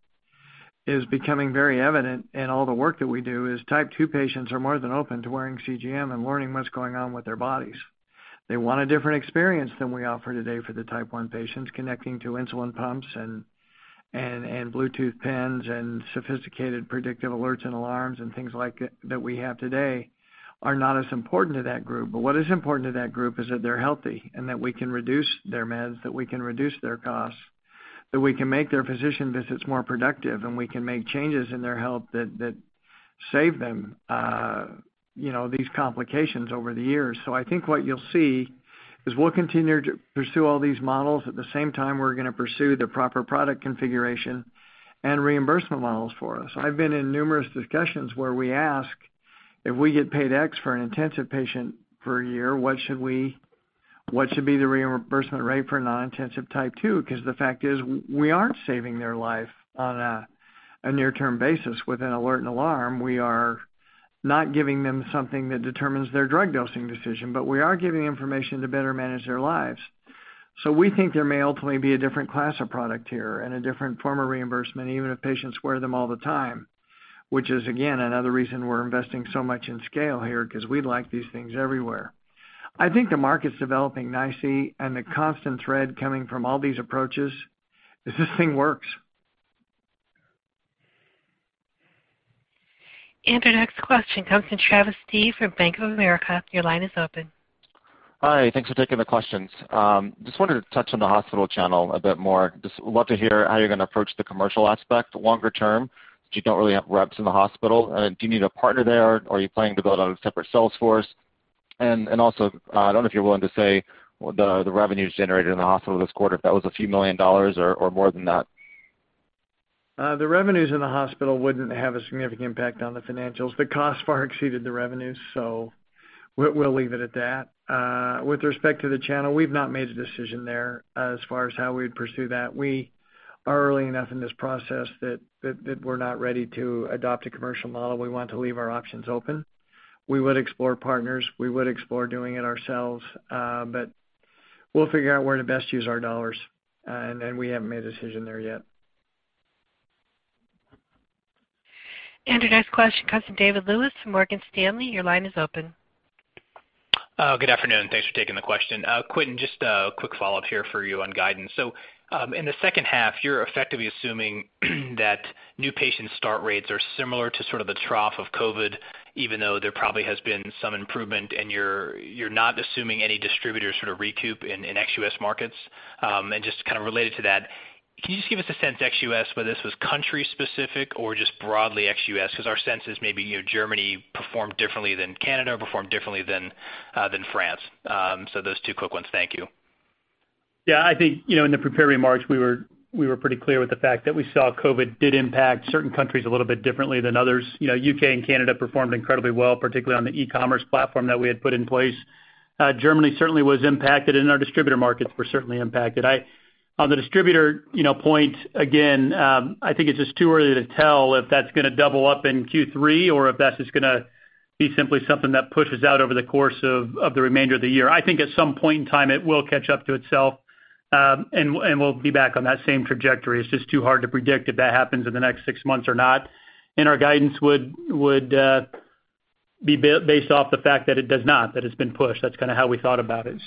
is becoming very evident in all the work that we do is Type 2 patients are more than open to wearing CGM and learning what's going on with their bodies. They want a different experience than we offer today for the Type 1 patients. Connecting to insulin pumps and Bluetooth pens and sophisticated predictive alerts and alarms and things like that we have today are not as important to that group. What is important to that group is that they're healthy and that we can reduce their meds, that we can reduce their costs, that we can make their physician visits more productive, and we can make changes in their health that save them these complications over the years. I think what you'll see is we'll continue to pursue all these models. At the same time, we're going to pursue the proper product configuration and reimbursement models for us. I've been in numerous discussions where we ask if we get paid X for an intensive patient per year, what should be the reimbursement rate for a non-intensive Type 2? Because the fact is, we aren't saving their life on a near-term basis with an alert and alarm. We are not giving them something that determines their drug dosing decision, but we are giving information to better manage their lives. We think there may ultimately be a different class of product here and a different form of reimbursement, even if patients wear them all the time, which is, again, another reason we're investing so much in scale here, because we'd like these things everywhere. I think the market's developing nicely, and the constant thread coming from all these approaches is this thing works. Our next question comes from Travis Steed from Bank of America. Your line is open. Hi, thanks for taking the questions. Just wanted to touch on the hospital channel a bit more. Just love to hear how you're going to approach the commercial aspect longer term, since you don't really have reps in the hospital. Do you need a partner there, or are you planning to build out a separate sales force? Also, I don't know if you're willing to say the revenues generated in the hospital this quarter, if that was a few million dollars or more than that. The revenues in the hospital wouldn't have a significant impact on the financials. The costs far exceeded the revenues. We'll leave it at that. With respect to the channel, we've not made a decision there as far as how we'd pursue that. We are early enough in this process that we're not ready to adopt a commercial model. We want to leave our options open. We would explore partners. We would explore doing it ourselves. We'll figure out where to best use our dollars. We haven't made a decision there yet. Our next question comes from David Lewis from Morgan Stanley. Your line is open. Good afternoon. Thanks for taking the question. Quentin, just a quick follow-up here for you on guidance. In the second half, you're effectively assuming that new patient start rates are similar to sort of the trough of COVID, even though there probably has been some improvement, and you're not assuming any distributor sort of recoup in ex-U.S. markets. Just kind of related to that, can you just give us a sense ex-U.S., whether this was country specific or just broadly ex-U.S.? Our sense is maybe Germany performed differently than Canada, performed differently than France. Those two quick ones. Thank you. Yeah, I think, in the prepared remarks, we were pretty clear with the fact that we saw COVID did impact certain countries a little bit differently than others. U.K. and Canada performed incredibly well, particularly on the e-commerce platform that we had put in place. Germany certainly was impacted, and our distributor markets were certainly impacted. On the distributor point, again, I think it's just too early to tell if that's going to double up in Q3 or if that's just going to be simply something that pushes out over the course of the remainder of the year. I think at some point in time it will catch up to itself, and we'll be back on that same trajectory. It's just too hard to predict if that happens in the next six months or not. Our guidance would be based off the fact that it does not, that it's been pushed. That's kind of how we thought about it.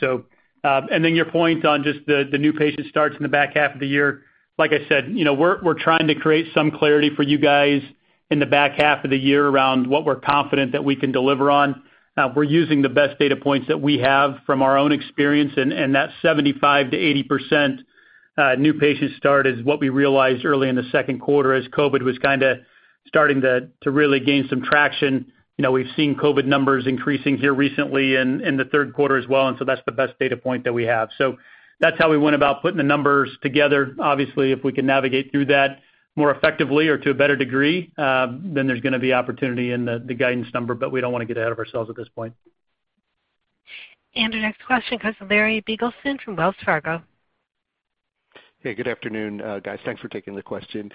Your point on just the new patient starts in the back half of the year, like I said, we're trying to create some clarity for you guys in the back half of the year around what we're confident that we can deliver on. We're using the best data points that we have from our own experience. That 75%-80% new patient start is what we realized early in the second quarter as COVID was kind of starting to really gain some traction. We've seen COVID numbers increasing here recently in the third quarter as well. That's the best data point that we have. That's how we went about putting the numbers together. Obviously, if we can navigate through that more effectively or to a better degree, there's going to be opportunity in the guidance number, but we don't want to get ahead of ourselves at this point. Our next question comes from Larry Biegelsen from Wells Fargo. Hey, good afternoon, guys. Thanks for taking the question.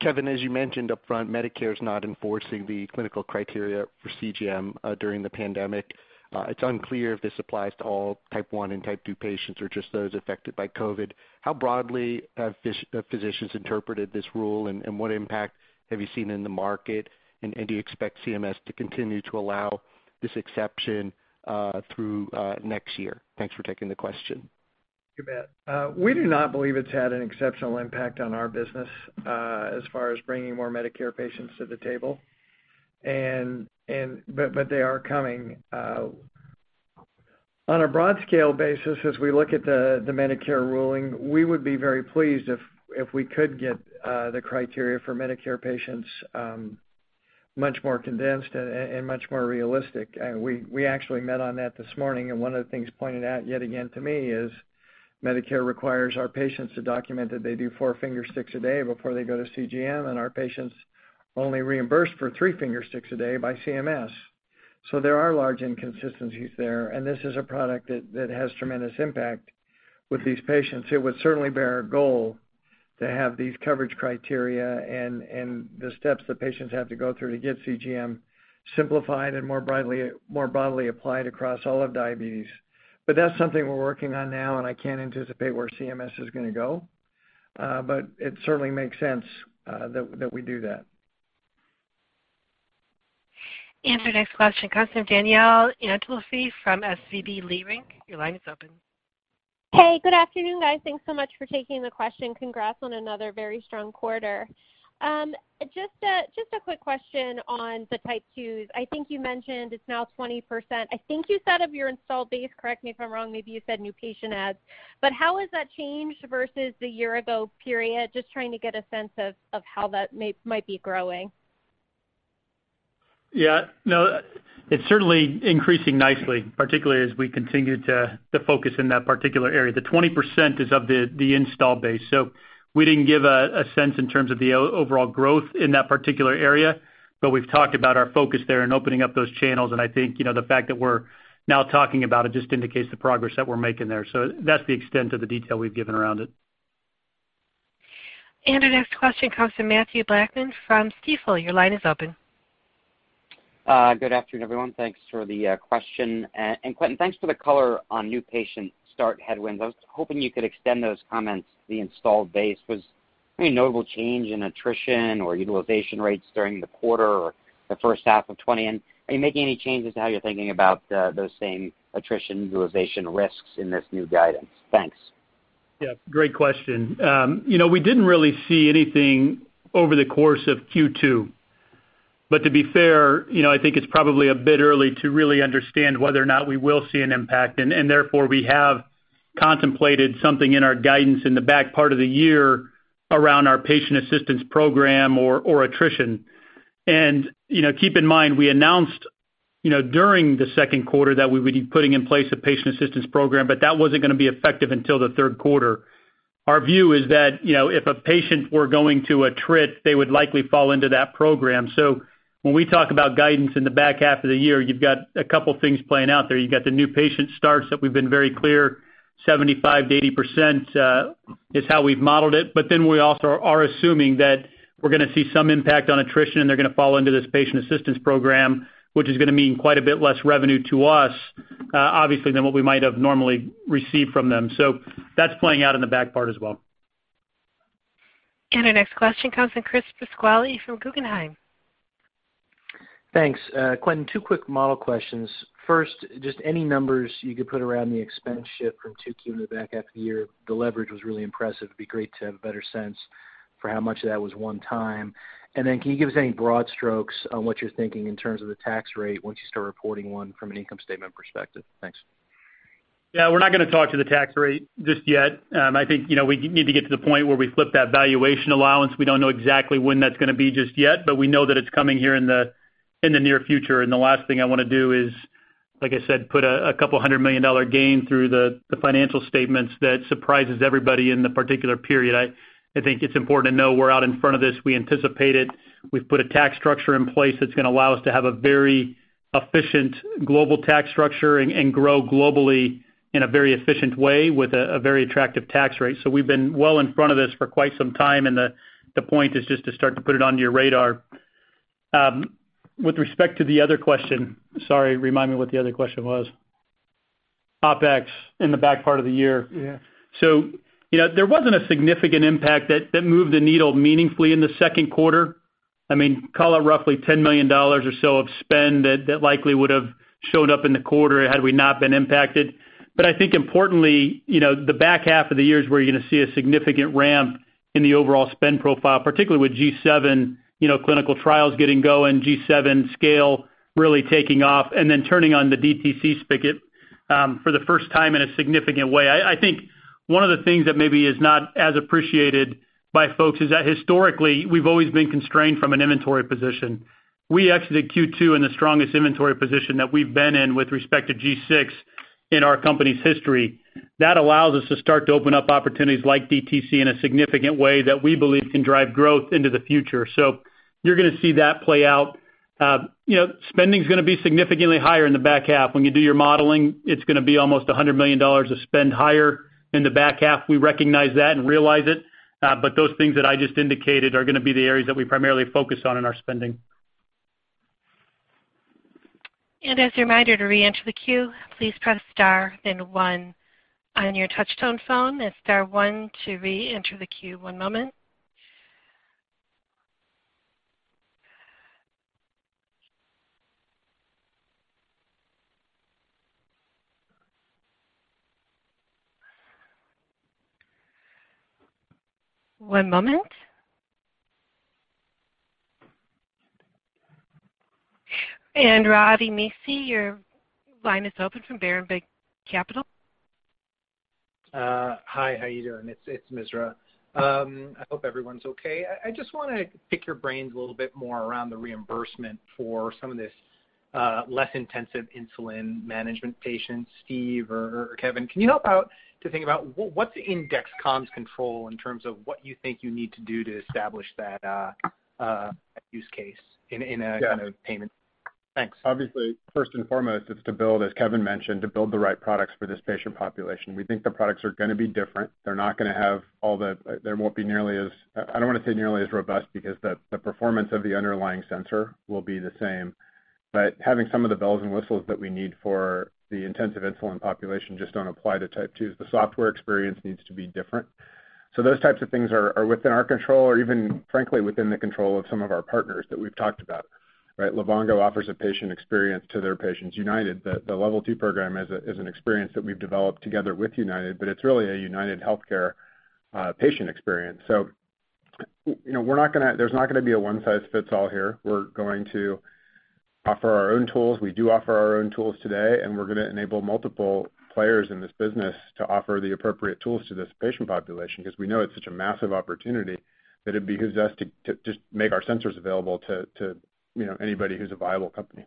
Kevin, as you mentioned up front, Medicare is not enforcing the clinical criteria for CGM during the pandemic. It's unclear if this applies to all Type 1 and Type 2 patients or just those affected by COVID. How broadly have physicians interpreted this rule, and what impact have you seen in the market? Do you expect CMS to continue to allow this exception through next year? Thanks for taking the question. You bet. We do not believe it's had an exceptional impact on our business as far as bringing more Medicare patients to the table. They are coming. On a broad scale basis, as we look at the Medicare ruling, we would be very pleased if we could get the criteria for Medicare patients much more condensed and much more realistic. We actually met on that this morning, and one of the things pointed out yet again to me is Medicare requires our patients to document that they do four finger sticks a day before they go to CGM, and our patients only reimburse for three finger sticks a day by CMS. There are large inconsistencies there, and this is a product that has tremendous impact with these patients. It would certainly be our goal to have these coverage criteria and the steps that patients have to go through to get CGM simplified and more broadly applied across all of diabetes. That's something we're working on now, and I can't anticipate where CMS is going to go. It certainly makes sense that we do that. Our next question comes from Danielle Antalffy from SVB Leerink. Your line is open. Hey, good afternoon, guys. Thanks so much for taking the question. Congrats on another very strong quarter. Just a quick question on the Type 2s. I think you mentioned it's now 20%. I think you said of your installed base, correct me if I'm wrong, maybe you said new patient adds. How has that changed versus the year ago period? Just trying to get a sense of how that might be growing. Yeah. No, it's certainly increasing nicely, particularly as we continue to focus in that particular area. The 20% is of the install base. We didn't give a sense in terms of the overall growth in that particular area. We've talked about our focus there and opening up those channels, and I think, the fact that we're now talking about it just indicates the progress that we're making there. That's the extent of the detail we've given around it. Our next question comes from Mathew Blackman from Stifel. Your line is open. Good afternoon, everyone. Thanks for the question. Quentin, thanks for the color on new patient start headwinds. I was hoping you could extend those comments, the installed base. Was any notable change in attrition or utilization rates during the quarter or the first half of 2020? Are you making any changes to how you're thinking about those same attrition utilization risks in this new guidance? Thanks. Yeah, great question. We didn't really see anything over the course of Q2. To be fair, I think it's probably a bit early to really understand whether or not we will see an impact, and therefore, we have contemplated something in our guidance in the back part of the year around our Patient Assistance Program or attrition. Keep in mind, we announced during the second quarter that we would be putting in place a Patient Assistance Program, but that wasn't going to be effective until the third quarter. Our view is that, if a patient were going to attrit, they would likely fall into that program. When we talk about guidance in the back half of the year, you've got a couple things playing out there. You've got the new patient starts that we've been very clear, 75%-80% is how we've modeled it. We also are assuming that we're going to see some impact on attrition, and they're going to fall under this patient assistance program, which is going to mean quite a bit less revenue to us, obviously, than what we might have normally received from them. That's playing out in the back part as well. Our next question comes from Chris Pasquale from Guggenheim. Thanks. Quentin, two quick model questions. First, just any numbers you could put around the expense shift from 2Q in the back half of the year? The leverage was really impressive. It'd be great to have a better sense for how much of that was one time. Can you give us any broad strokes on what you're thinking in terms of the tax rate once you start reporting one from an income statement perspective? Thanks. Yeah. We're not going to talk to the tax rate just yet. I think we need to get to the point where we flip that valuation allowance. We don't know exactly when that's going to be just yet, but we know that it's coming here in the near future. The last thing I want to do is, like I said, put a couple $100 million gain through the financial statements that surprises everybody in the particular period. I think it's important to know we're out in front of this. We anticipate it. We've put a tax structure in place that's going to allow us to have a very efficient global tax structure and grow globally in a very efficient way with a very attractive tax rate. We've been well in front of this for quite some time, and the point is just to start to put it onto your radar. With respect to the other question, sorry, remind me what the other question was. OpEx in the back part of the year. Yeah. There wasn't a significant impact that moved the needle meaningfully in the second quarter. Call it roughly $10 million or so of spend that likely would have showed up in the quarter had we not been impacted. I think importantly, the back half of the year is where you're going to see a significant ramp in the overall spend profile, particularly with G7 clinical trials getting going, G7 scale really taking off, and then turning on the DTC spigot for the first time in a significant way. I think one of the things that maybe is not as appreciated by folks is that historically, we've always been constrained from an inventory position. We exited Q2 in the strongest inventory position that we've been in with respect to G6 in our company's history. That allows us to start to open up opportunities like DTC in a significant way that we believe can drive growth into the future. You're going to see that play out. Spending's going to be significantly higher in the back half. When you do your modeling, it's going to be almost $100 million of spend higher in the back half. We recognize that and realize it. Those things that I just indicated are going to be the areas that we primarily focus on in our spending. As a reminder to reenter the queue, please press star then one. On your touch-tone phone, it's star one to reenter the queue. One moment. One moment. Ravi Misra, your line is open from Berenberg Capital. Hi, how you doing? It's Misra. I hope everyone's okay. I just want to pick your brains a little bit more around the reimbursement for some of this less intensive insulin management patients. Steve or Kevin, can you help out to think about what's in Dexcom's control in terms of what you think you need to do to establish that use case in a kind of payment? Yeah. Thanks. First and foremost, it's to build, as Kevin mentioned, to build the right products for this patient population. We think the products are going to be different. There won't be nearly as robust because the performance of the underlying sensor will be the same. Having some of the bells and whistles that we need for the intensive insulin population just don't apply to Type 2s. The software experience needs to be different. Those types of things are within our control or even frankly, within the control of some of our partners that we've talked about. Livongo offers a patient experience to their patients. United, the Level 2 program is an experience that we've developed together with United, it's really a UnitedHealthcare patient experience. There's not going to be a one size fits all here. We're going to offer our own tools. We do offer our own tools today, and we're going to enable multiple players in this business to offer the appropriate tools to this patient population because we know it's such a massive opportunity that it behooves us to just make our sensors available to anybody who's a viable company.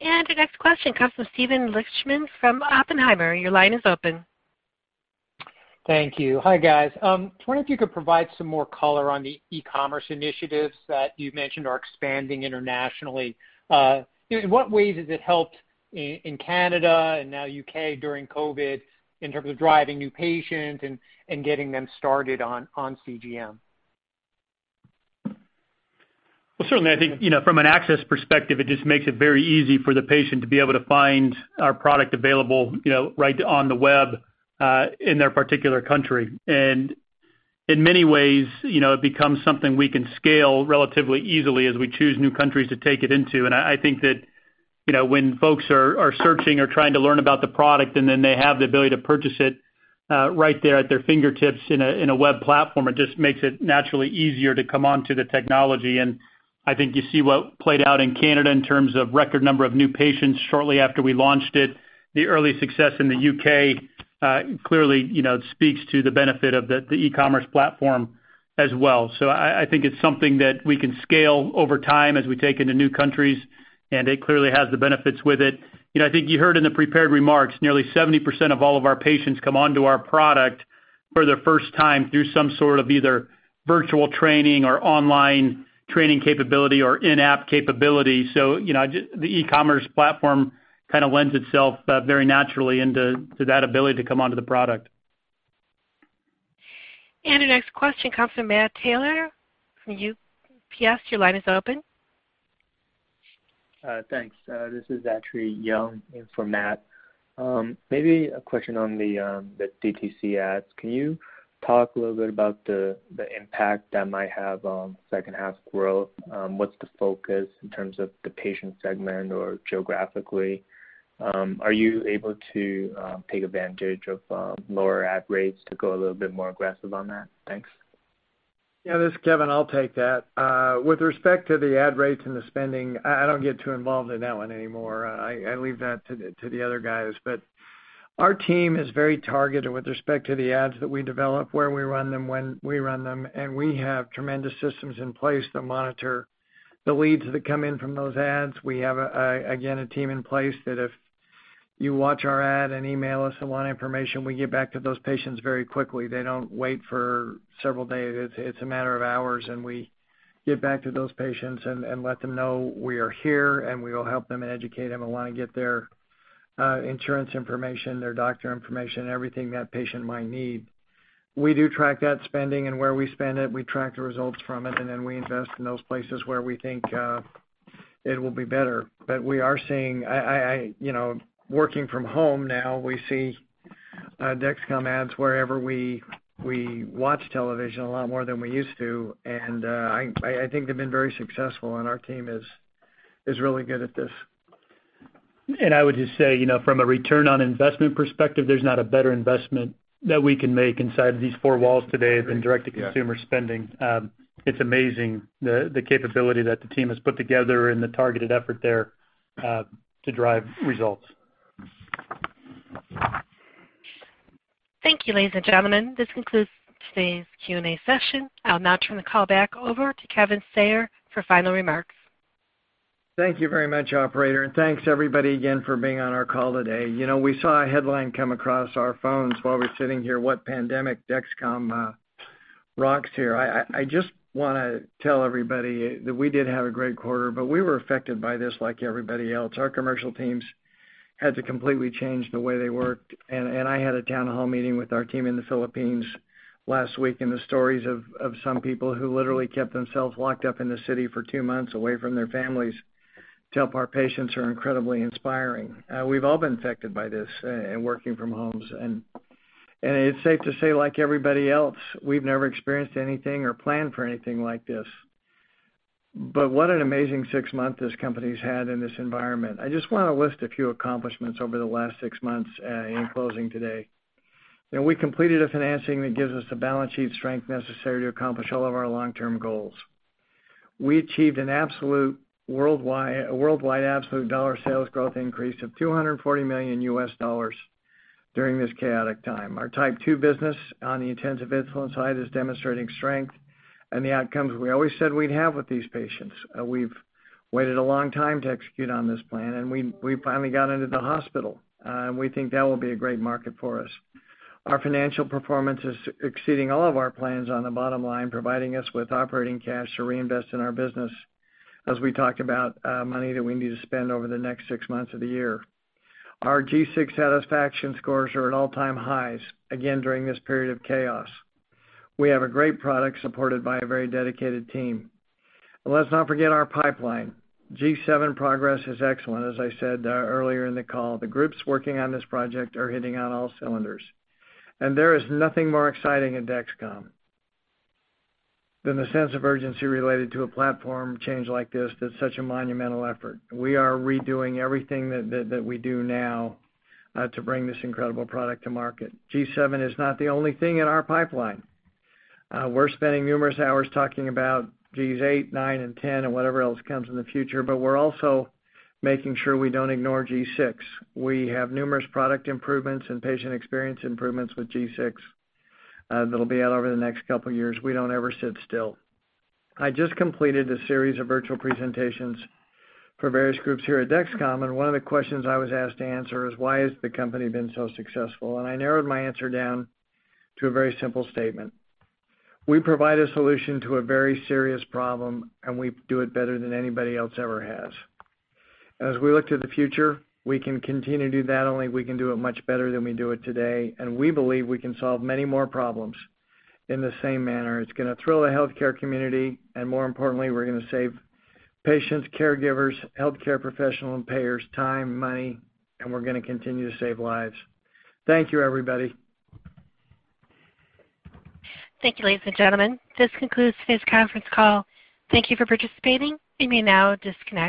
The next question comes from Steven Lichtman from Oppenheimer. Your line is open. Thank you. Hi guys. I was wondering if you could provide some more color on the e-commerce initiatives that you've mentioned are expanding internationally. In what ways has it helped in Canada and now U.K. during COVID in terms of driving new patients and getting them started on CGM? Well, certainly I think, from an access perspective, it just makes it very easy for the patient to be able to find our product available right on the web, in their particular country. In many ways, it becomes something we can scale relatively easily as we choose new countries to take it into. I think that when folks are searching or trying to learn about the product and then they have the ability to purchase it right there at their fingertips in a web platform, it just makes it naturally easier to come onto the technology. I think you see what played out in Canada in terms of record number of new patients shortly after we launched it. The early success in the U.K. clearly speaks to the benefit of the e-commerce platform as well. I think it's something that we can scale over time as we take into new countries, and it clearly has the benefits with it. I think you heard in the prepared remarks, nearly 70% of all of our patients come onto our product for the first time through some sort of either virtual training or online training capability or in-app capability. The e-commerce platform kind of lends itself very naturally into that ability to come onto the product. The next question comes from Matt Taylor from UBS. Your line is open. Thanks. This is actually Young in for Matt. A question on the DTC ads. Can you talk a little bit about the impact that might have on second half growth? What's the focus in terms of the patient segment or geographically? Are you able to take advantage of lower ad rates to go a little bit more aggressive on that? Thanks. Yeah. This is Kevin. I'll take that. With respect to the ad rates and the spending, I don't get too involved in that one anymore. I leave that to the other guys. Our team is very targeted with respect to the ads that we develop, where we run them, when we run them, and we have tremendous systems in place that monitor the leads that come in from those ads. We have, again, a team in place that if you watch our ad and email us and want information, we get back to those patients very quickly. They don't wait for several days. It's a matter of hours, and we get back to those patients and let them know we are here, and we will help them and educate them and want to get their insurance information, their doctor information, everything that patient might need. We do track that spending and where we spend it. We track the results from it, and then we invest in those places where we think it will be better. Working from home now, we see Dexcom ads wherever we watch television a lot more than we used to. I think they've been very successful, and our team is really good at this. I would just say, from a return on investment perspective, there's not a better investment that we can make inside these four walls today than direct-to-consumer spending. Yeah. It's amazing the capability that the team has put together and the targeted effort there to drive results. Thank you, ladies and gentlemen. This concludes today's Q&A session. I'll now turn the call back over to Kevin Sayer for final remarks. Thank you very much, operator, and thanks everybody again for being on our call today. We saw a headline come across our phones while we're sitting here, "What Pandemic? Dexcom Rocks," here. I just want to tell everybody that we did have a great quarter, but we were affected by this like everybody else. Our commercial teams had to completely change the way they worked. I had a town hall meeting with our team in the Philippines last week, and the stories of some people who literally kept themselves locked up in the city for two months away from their families to help our patients are incredibly inspiring. We've all been affected by this, and working from homes. It's safe to say, like everybody else, we've never experienced anything or planned for anything like this. What an amazing six months this company's had in this environment. I just want to list a few accomplishments over the last six months in closing today. We completed a financing that gives us the balance sheet strength necessary to accomplish all of our long-term goals. We achieved a worldwide absolute dollar sales growth increase of $240 million during this chaotic time. Our Type 2 business on the intensive insulin side is demonstrating strength and the outcomes we always said we'd have with these patients. We've waited a long time to execute on this plan, and we finally got into the hospital. We think that will be a great market for us. Our financial performance is exceeding all of our plans on the bottom line, providing us with operating cash to reinvest in our business as we talked about money that we need to spend over the next six months of the year. Our G6 satisfaction scores are at all-time highs, again, during this period of chaos. We have a great product supported by a very dedicated team. Let's not forget our pipeline. G7 progress is excellent, as I said earlier in the call. The groups working on this project are hitting on all cylinders. There is nothing more exciting at Dexcom than the sense of urgency related to a platform change like this that's such a monumental effort. We are redoing everything that we do now to bring this incredible product to market. G7 is not the only thing in our pipeline. We're spending numerous hours talking about Gs eight, nine, and 10 and whatever else comes in the future, but we're also making sure we don't ignore G6. We have numerous product improvements and patient experience improvements with G6 that'll be out over the next couple of years. We don't ever sit still. I just completed a series of virtual presentations for various groups here at Dexcom, and one of the questions I was asked to answer is, "Why has the company been so successful?" I narrowed my answer down to a very simple statement. We provide a solution to a very serious problem, and we do it better than anybody else ever has. As we look to the future, we can continue to do that only if we can do it much better than we do it today, and we believe we can solve many more problems in the same manner. It's going to thrill the healthcare community, and more importantly, we're going to save patients, caregivers, healthcare professional, and payers time, money, and we're going to continue to save lives. Thank you, everybody. Thank you, ladies and gentlemen. This concludes today's conference call. Thank you for participating. You may now disconnect.